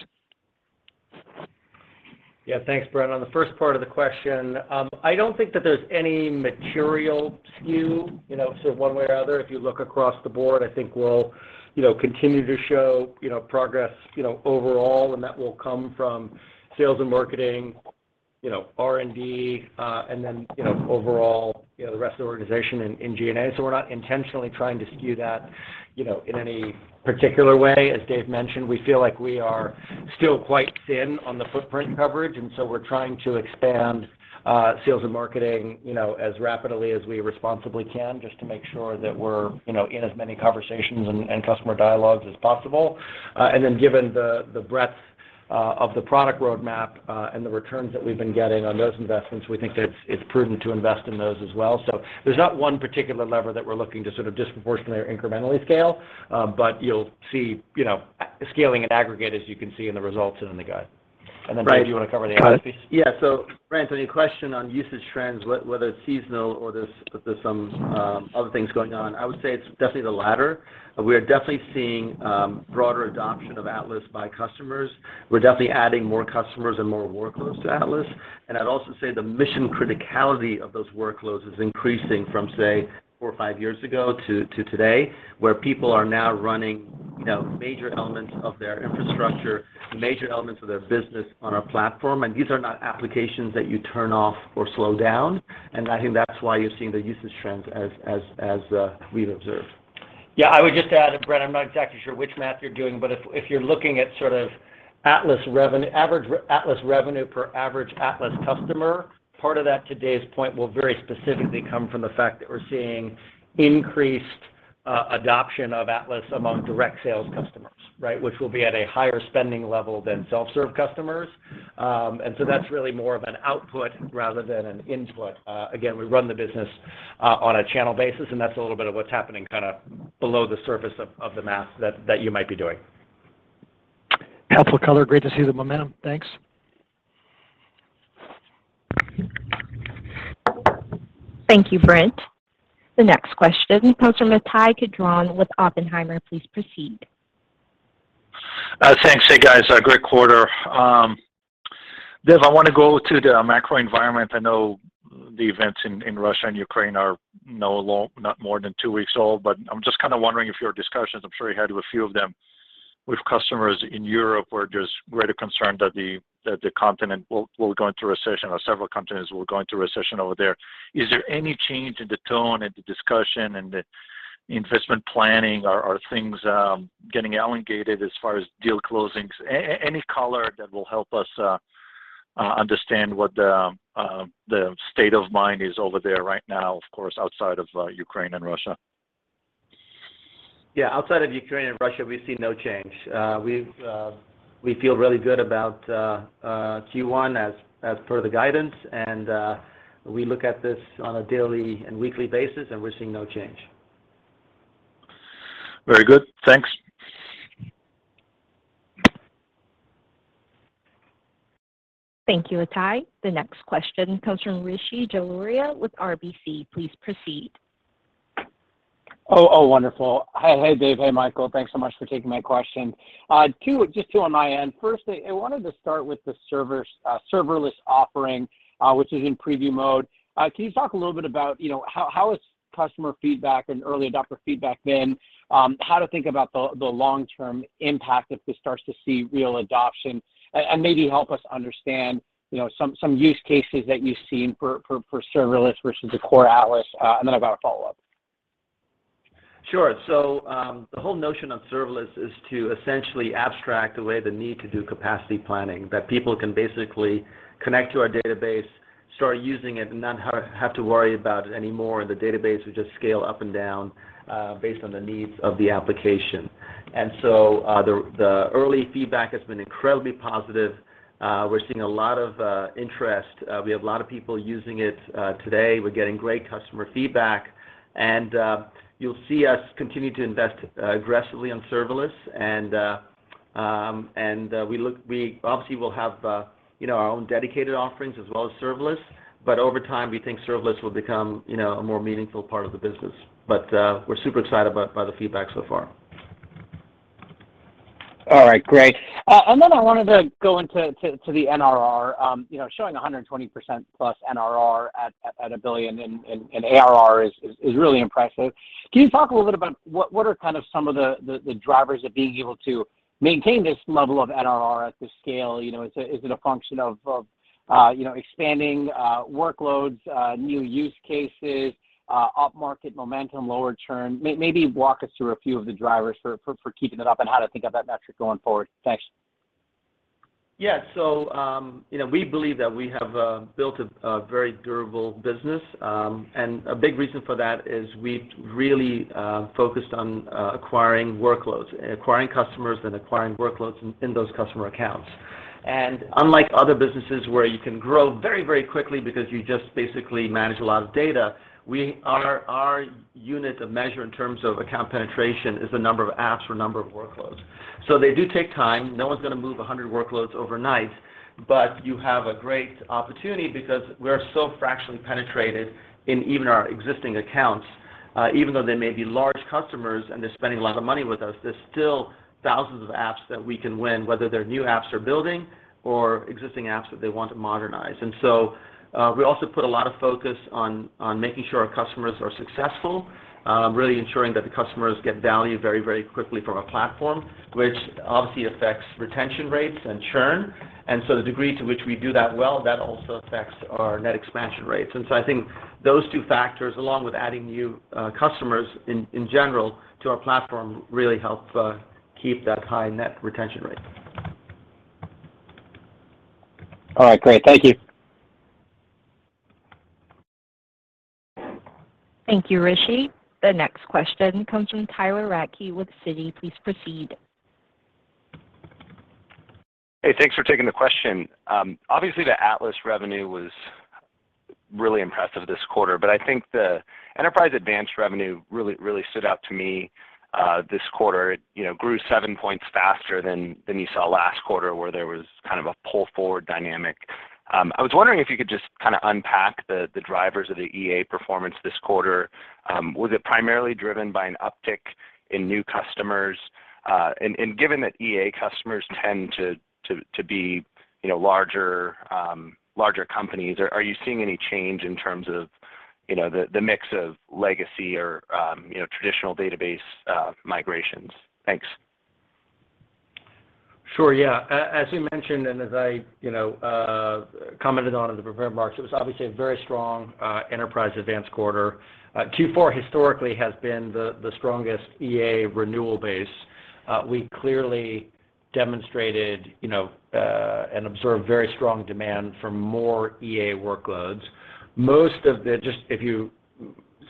Yeah. Thanks, Brent. On the first part of the question, I don't think that there's any material skew, you know, sort of one way or other. If you look across the board, I think we'll, you know, continue to show, you know, progress, you know, overall, and that will come from sales and marketing, you know, R&D, and then, you know, overall, you know, the rest of the organization in G&A. We're not intentionally trying to skew that, you know, in any particular way. As Dev mentioned, we feel like we are still quite thin on the footprint coverage, and so we're trying to expand sales and marketing, you know, as rapidly as we responsibly can just to make sure that we're, you know, in as many conversations and customer dialogues as possible. Given the breadth of the product roadmap and the returns that we've been getting on those investments, we think that it's prudent to invest in those as well. There's not one particular lever that we're looking to sort of disproportionately or incrementally scale. You'll see, you know, scaling in aggregate, as you can see in the results and in the guide. Dev, do you wanna cover the Atlas piece? Yeah. Brent, on your question on usage trends, whether it's seasonal or there's some other things going on, I would say it's definitely the latter. We are definitely seeing broader adoption of Atlas by customers. We're definitely adding more customers and more workloads to Atlas. I'd also say the mission criticality of those workloads is increasing from, say, four or five years ago to today, where people are now running, you know, major elements of their infrastructure and major elements of their business on our platform, and these are not applications that you turn off or slow down. I think that's why you're seeing the usage trends as we've observed. Yeah. I would just add, Brent, I'm not exactly sure which math you're doing, but if you're looking at sort of Atlas revenue per average Atlas customer, part of that, to Dev's point, will very specifically come from the fact that we're seeing increased adoption of Atlas among direct sales customers, right? Which will be at a higher spending level than self-serve customers. That's really more of an output rather than an input. Again, we run the business on a channel basis, and that's a little bit of what's happening kinda below the surface of the math that you might be doing. Helpful color. Great to see the momentum. Thanks. Thank you, Brent. The next question comes from Ittai Kidron with Oppenheimer. Please proceed. Thanks. Hey, guys. Great quarter. Dev, I wanna go to the macro environment. I know the events in Russia and Ukraine are not more than two weeks old, but I'm just kinda wondering if your discussions, I'm sure you had a few of them. With customers in Europe, we're just really concerned that the continent will go into recession or several continents will go into recession over there. Is there any change in the tone and the discussion and the investment planning? Are things getting elongated as far as deal closings? Any color that will help us understand what the state of mind is over there right now, of course, outside of Ukraine and Russia. Yeah, outside of Ukraine and Russia, we see no change. We feel really good about Q1 as per the guidance, and we look at this on a daily and weekly basis, and we're seeing no change. Very good. Thanks. Thank you, Ittai. The next question comes from Rishi Jaluria with RBC. Please proceed. Wonderful. Hi. Hey, Dev. Hey, Michael. Thanks so much for taking my question. Just two on my end. First, I wanted to start with the serverless offering, which is in preview mode. Can you talk a little bit about, you know, how customer feedback and early adopter feedback has been? How to think about the long-term impact if this starts to see real adoption, and maybe help us understand, you know, some use cases that you've seen for serverless versus the core Atlas, and then I've got a follow-up. Sure. So, the whole notion of serverless is to essentially abstract away the need to do capacity planning, that people can basically connect to our database, start using it, and not have to worry about it anymore. The database will just scale up and down, based on the needs of the application. The early feedback has been incredibly positive. We're seeing a lot of interest. We have a lot of people using it today. We're getting great customer feedback, and you'll see us continue to invest aggressively on serverless. We obviously will have, you know, our own dedicated offerings as well as serverless, but over time, we think serverless will become, you know, a more meaningful part of the business. We're super excited by the feedback so far. All right, great. I wanted to go into the NRR. You know, showing 120%+ NRR at a billion in ARR is really impressive. Can you talk a little bit about what are kind of some of the drivers of being able to maintain this level of NRR at this scale? You know, is it a function of you know, expanding workloads, new use cases, upmarket momentum, lower churn? Maybe walk us through a few of the drivers for keeping it up and how to think of that metric going forward. Thanks. Yeah. You know, we believe that we have built a very durable business, and a big reason for that is we've really focused on acquiring workloads, acquiring customers, then acquiring workloads in those customer accounts. Unlike other businesses where you can grow very, very quickly because you just basically manage a lot of data, our unit of measure in terms of account penetration is the number of apps or number of workloads. They do take time. No one's gonna move 100 workloads overnight, but you have a great opportunity because we're so fractionally penetrated in even our existing accounts, even though they may be large customers and they're spending a lot of money with us, there's still thousands of apps that we can win, whether they're new apps they're building or existing apps that they want to modernize. We also put a lot of focus on making sure our customers are successful, really ensuring that the customers get value very, very quickly from our platform, which obviously affects retention rates and churn. The degree to which we do that well, that also affects our net expansion rates. I think those two factors, along with adding new customers in general to our platform, really help keep that high net retention rate. All right, great. Thank you. Thank you, Rishi. The next question comes from Tyler Radke with Citi. Please proceed. Hey, thanks for taking the question. Obviously, the Atlas revenue was really impressive this quarter, but I think the Enterprise Advanced revenue really, really stood out to me this quarter. It, you know, grew seven points faster than you saw last quarter where there was kind of a pull-forward dynamic. I was wondering if you could just kinda unpack the drivers of the EA performance this quarter. Was it primarily driven by an uptick in new customers? And given that EA customers tend to be, you know, larger companies, are you seeing any change in terms of, you know, the mix of legacy or, you know, traditional database migrations? Thanks. Sure, yeah. As we mentioned, and as I, you know, commented on in the prepared remarks, it was obviously a very strong Enterprise Advanced quarter. Q4 historically has been the strongest EA renewal base. We clearly demonstrated, you know, and observed very strong demand for more EA workloads. Just if you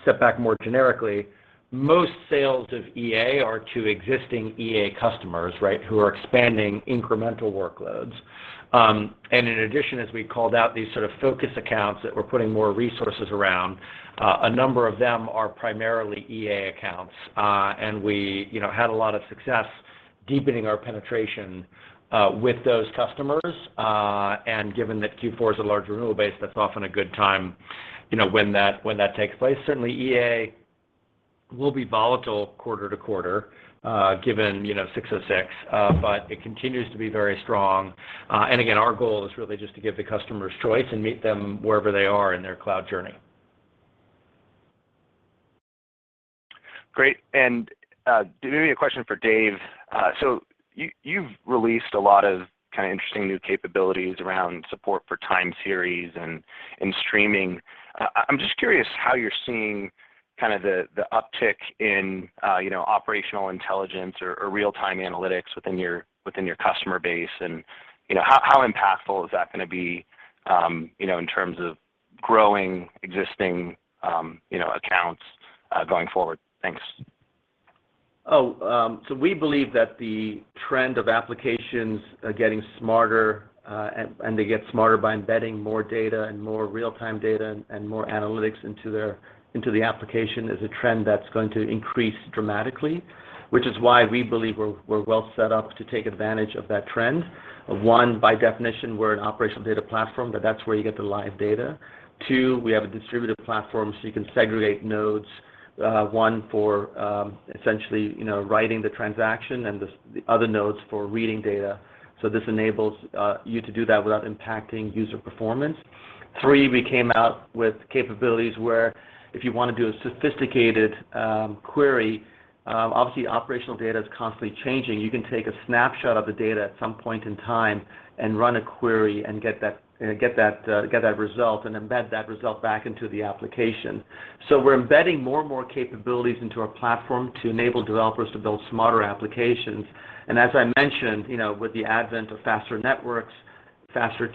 step back more generically, most sales of EA are to existing EA customers, right, who are expanding incremental workloads. In addition, as we called out these sort of focus accounts that we're putting more resources around, a number of them are primarily EA accounts. We, you know, had a lot of success deepening our penetration with those customers. Given that Q4 is a large renewal base, that's often a good time, you know, when that takes place. Certainly, EA will be volatile quarter-to-quarter, given, you know, 606, but it continues to be very strong. Again, our goal is really just to give the customers choice and meet them wherever they are in their cloud journey. Great. Maybe a question for Dev. So you've released a lot of kind of interesting new capabilities around support for time series and streaming. I'm just curious how you're seeing kind of the uptick in, you know, operational intelligence or real-time analytics within your customer base, and, you know, how impactful is that gonna be, you know, in terms of growing existing accounts going forward? Thanks. We believe that the trend of applications getting smarter, and they get smarter by embedding more data and more real-time data and more analytics into the application is a trend that's going to increase dramatically, which is why we believe we're well set up to take advantage of that trend. One, by definition, we're an operational data platform, but that's where you get the live data. Two, we have a distributed platform, so you can segregate nodes, one for essentially, you know, writing the transaction and the other nodes for reading data. So this enables you to do that without impacting user performance. Three, we came out with capabilities where if you wanna do a sophisticated query, obviously, operational data is constantly changing. You can take a snapshot of the data at some point in time and run a query and get that result and embed that result back into the application. We're embedding more and more capabilities into our platform to enable developers to build smarter applications. As I mentioned, you know, with the advent of faster networks, faster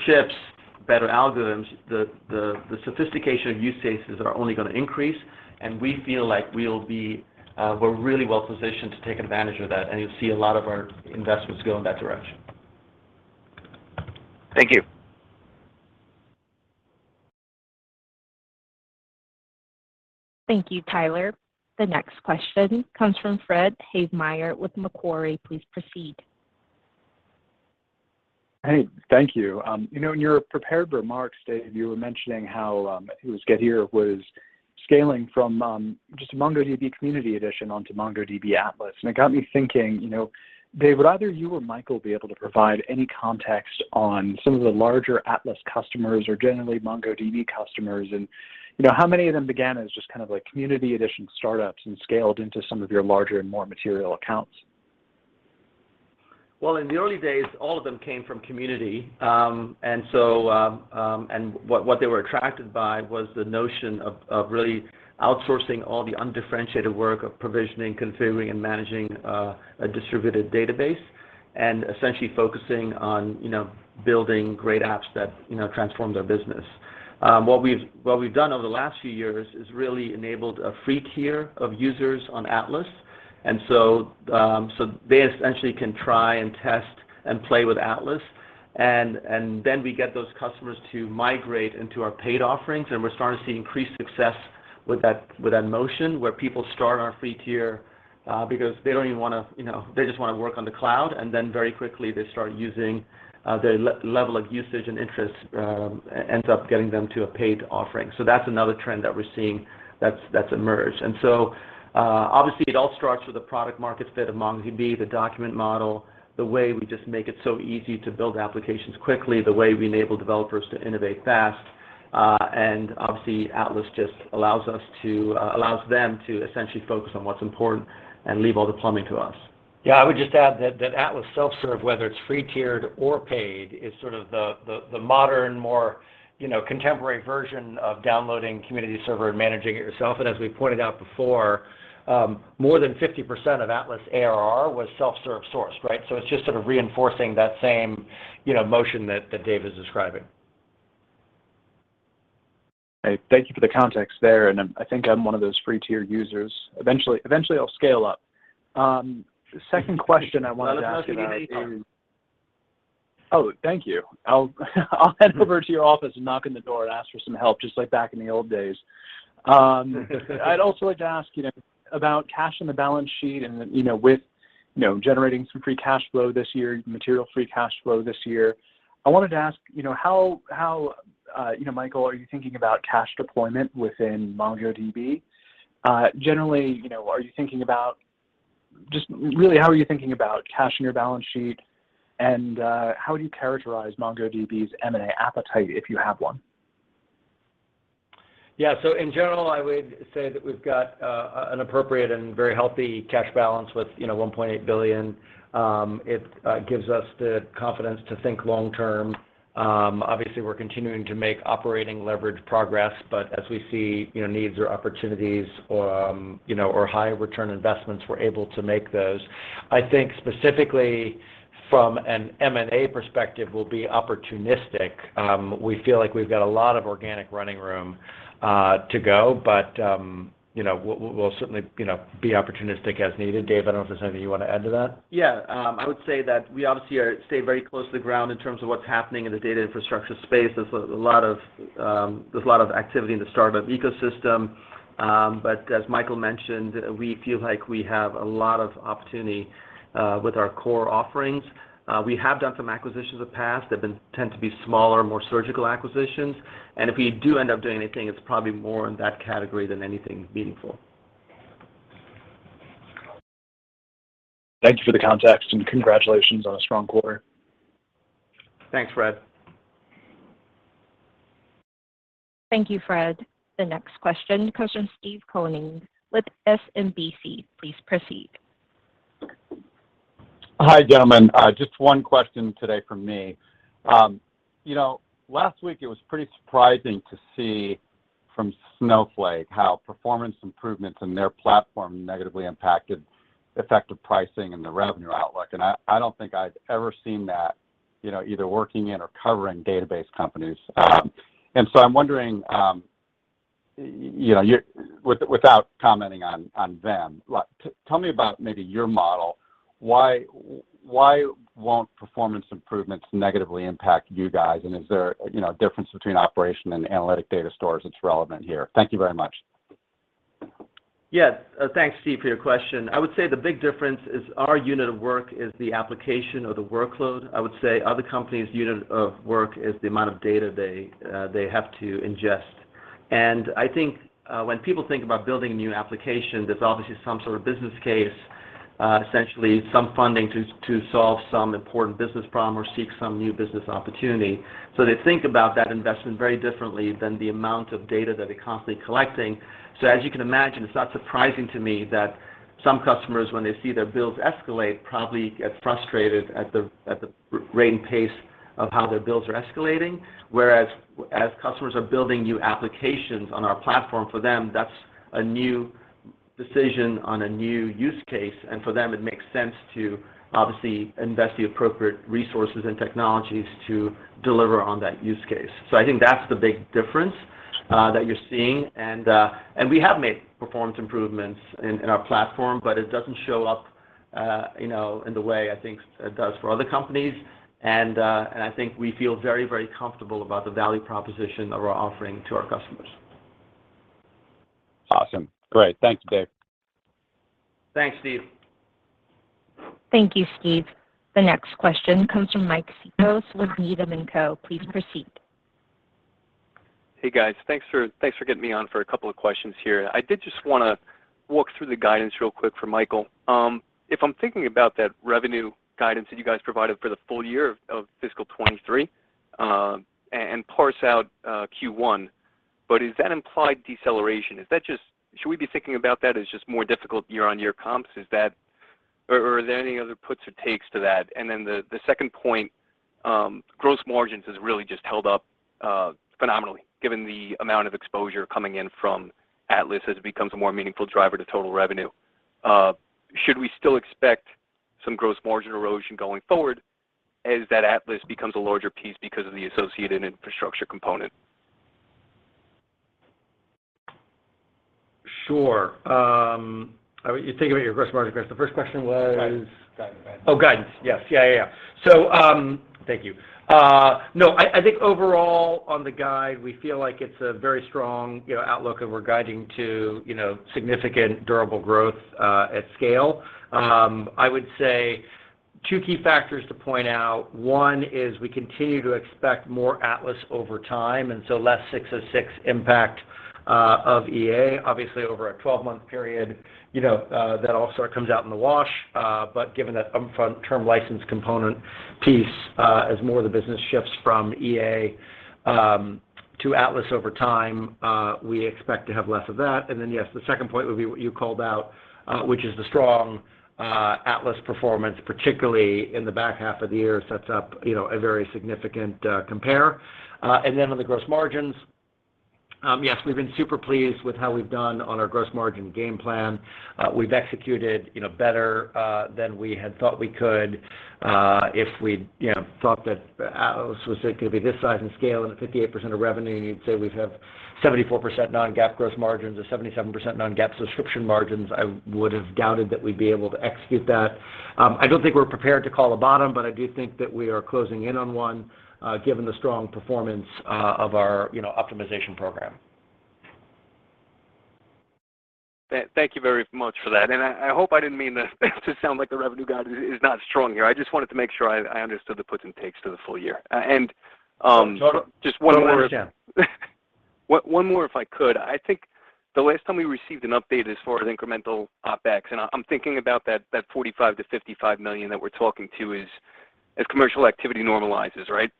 chips, better algorithms, the sophistication of use cases are only gonna increase, and we feel like we're really well positioned to take advantage of that, and you'll see a lot of our investments go in that direction. Thank you. Thank you, Tyler. The next question comes from Fred Havemeyer with Macquarie. Please proceed. Hey, thank you. You know, in your prepared remarks, Dev, you were mentioning how Getir was scaling from just MongoDB Community Edition onto MongoDB Atlas. It got me thinking, you know, Dev, would either you or Michael be able to provide any context on some of the larger Atlas customers or generally MongoDB customers and, you know, how many of them began as just kind of like Community Edition startups and scaled into some of your larger and more material accounts? Well, in the early days, all of them came from community. What they were attracted by was the notion of really outsourcing all the undifferentiated work of provisioning, configuring, and managing a distributed database, and essentially focusing on, you know, building great apps that, you know, transform their business. What we've done over the last few years is really enabled a free tier of users on Atlas. They essentially can try and test and play with Atlas. Then we get those customers to migrate into our paid offerings, and we're starting to see increased success with that motion, where people start on our free tier because they don't even wanna, you know, they just wanna work on the cloud, and then very quickly they start using their level of usage and interest ends up getting them to a paid offering. That's another trend that we're seeing that's emerged. Obviously it all starts with a product market fit of MongoDB, the document model, the way we just make it so easy to build applications quickly, the way we enable developers to innovate fast. Atlas just allows them to essentially focus on what's important and leave all the plumbing to us. Yeah. I would just add that Atlas self-serve, whether it's free tiered or paid, is sort of the modern, more, you know, contemporary version of downloading community server and managing it yourself. And as we pointed out before, more than 50% of Atlas ARR was self-serve sourced, right? It's just sort of reinforcing that same, you know, motion that Dev is describing. Okay. Thank you for the context there, and I think I'm one of those free tier users. Eventually, I'll scale up. The second question I wanted to ask you, Dev, is- Let us know if you need anything. Oh, thank you. I'll head over to your office and knock on the door and ask for some help, just like back in the old days. I'd also like to ask, you know, about cash in the balance sheet and, you know, with, you know, generating some free cash flow this year, material free cash flow this year. I wanted to ask, you know, how, you know, Michael, are you thinking about cash deployment within MongoDB? Generally, you know, are you thinking about just really how are you thinking about cash in your balance sheet, and how do you characterize MongoDB's M&A appetite, if you have one? Yeah. In general, I would say that we've got an appropriate and very healthy cash balance with, you know, $1.8 billion. It gives us the confidence to think long term. Obviously we're continuing to make operating leverage progress, but as we see, you know, needs or opportunities or, you know, or higher return investments, we're able to make those. I think specifically from an M&A perspective, we'll be opportunistic. We feel like we've got a lot of organic running room to go, but, you know, we'll certainly, you know, be opportunistic as needed. Dev, I don't know if there's anything you want to add to that. Yeah. I would say that we obviously stay very close to the ground in terms of what's happening in the data infrastructure space. There's a lot of activity in the startup ecosystem. But as Michael mentioned, we feel like we have a lot of opportunity with our core offerings. We have done some acquisitions in the past. They tend to be smaller, more surgical acquisitions. If we do end up doing anything, it's probably more in that category than anything meaningful. Thank you for the context, and congratulations on a strong quarter. Thanks, Fred. Thank you, Fred. The next question comes from Steve Koenig with SMBC. Please proceed. Hi, gentlemen. Just one question today from me. You know, last week it was pretty surprising to see from Snowflake how performance improvements in their platform negatively impacted effective pricing and the revenue outlook. I don't think I've ever seen that, you know, either working in or covering database companies. I'm wondering, you know, without commenting on them, like, tell me about maybe your model. Why won't performance improvements negatively impact you guys, and is there, you know, a difference between operational and analytic data stores that's relevant here? Thank you very much. Yes. Thanks, Steve, for your question. I would say the big difference is our unit of work is the application or the workload. I would say other companies' unit of work is the amount of data they have to ingest. I think, when people think about building a new application, there's obviously some sort of business case, essentially some funding to solve some important business problem or seek some new business opportunity. They think about that investment very differently than the amount of data that they're constantly collecting. As you can imagine, it's not surprising to me that some customers, when they see their bills escalate, probably get frustrated at the rate and pace of how their bills are escalating. Whereas as customers are building new applications on our platform, for them, that's a new decision on a new use case, and for them it makes sense to obviously invest the appropriate resources and technologies to deliver on that use case. I think that's the big difference that you're seeing. We have made performance improvements in our platform, but it doesn't show up, you know, in the way I think it does for other companies. I think we feel very, very comfortable about the value proposition that we're offering to our customers. Awesome. Great. Thanks, Dev. Thanks, Steve. Thank you, Steve. The next question comes from Mike Cikos with Needham & Co. Please proceed. Hey, guys. Thanks for getting me on for a couple of questions here. I did just wanna walk through the guidance real quick for Michael. If I'm thinking about that revenue guidance that you guys provided for the full year of fiscal 2023 and parse out Q1, but is that implied deceleration? Should we be thinking about that as just more difficult year-on-year comps? Or are there any other puts or takes to that? The second point, gross margins has really just held up phenomenally given the amount of exposure coming in from Atlas as it becomes a more meaningful driver to total revenue. Should we still expect some gross margin erosion going forward as that Atlas becomes a larger piece because of the associated infrastructure component? Sure. You're thinking about your gross margin. The first question was? Guidance. Oh, guidance. Yes. Yeah. Thank you. No, I think overall on the guide, we feel like it's a very strong, you know, outlook and we're guiding to, you know, significant durable growth at scale. I would say two key factors to point out. One is we continue to expect more Atlas over time, and so less 606 impact of EA. Obviously, over a 12-month period, you know, that all sort of comes out in the wash. But given that upfront term license component piece, as more of the business shifts from EA to Atlas over time, we expect to have less of that. Yes, the second point would be what you called out, which is the strong Atlas performance, particularly in the back half of the year, sets up, you know, a very significant compare. On the gross margins, yes, we've been super pleased with how we've done on our gross margin game plan. We've executed, you know, better than we had thought we could. If we'd, you know, thought that Atlas was gonna be this size and scale and at 58% of revenue, and you'd say we'd have 74% non-GAAP gross margins or 77% non-GAAP subscription margins, I would have doubted that we'd be able to execute that. I don't think we're prepared to call a bottom, but I do think that we are closing in on one, given the strong performance of our, you know, optimization program. Thank you very much for that. I hope I didn't mean that to sound like the revenue guide is not strong here. I just wanted to make sure I understood the puts and takes to the full year. Just one more- Totally understand. One more if I could. I think the last time we received an update as far as incremental OpEx, and I'm thinking about that $45 million-$55 million that we're talking to as commercial activity normalizes, right?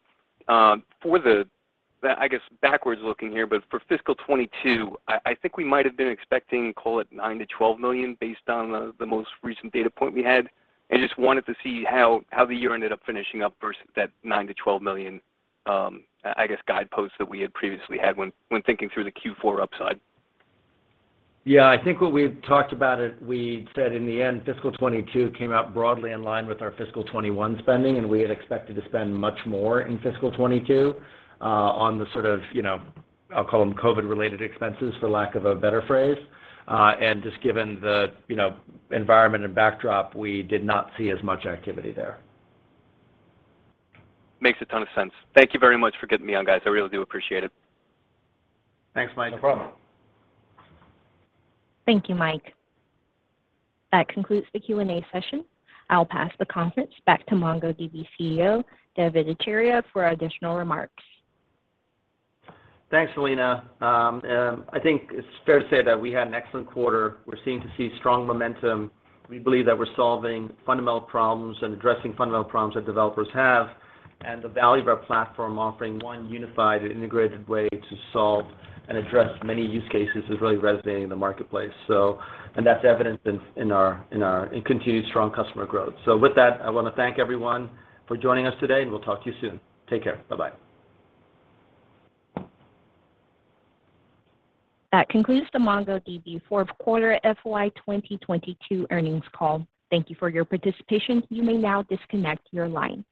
I guess backward looking here, but for fiscal 2022, I think we might have been expecting, call it $9 million-$12 million based on the most recent data point we had, and just wanted to see how the year ended up finishing up versus that $9 million-$12 million, I guess guideposts that we had previously had when thinking through the Q4 upside. Yeah. I think when we've talked about it, we said in the end, fiscal 2022 came out broadly in line with our fiscal 2021 spending, and we had expected to spend much more in fiscal 2022, on the sort of, you know, I'll call them COVID-related expenses for lack of a better phrase. Just given the, you know, environment and backdrop, we did not see as much activity there. Makes a ton of sense. Thank you very much for getting me on, guys. I really do appreciate it. Thanks, Mike. No problem. Thank you, Mike. That concludes the Q&A session. I'll pass the conference back to MongoDB CEO, Dev Ittycheria, for additional remarks. Thanks, Selena. I think it's fair to say that we had an excellent quarter. We're continuing to see strong momentum. We believe that we're solving and addressing fundamental problems that developers have, and the value of our platform offering one unified and integrated way to solve and address many use cases is really resonating in the marketplace. That's evident in our continued strong customer growth. With that, I wanna thank everyone for joining us today, and we'll talk to you soon. Take care. Bye-bye. That concludes the MongoDB fourth quarter FY 2022 earnings call. Thank you for your participation. You may now disconnect your line.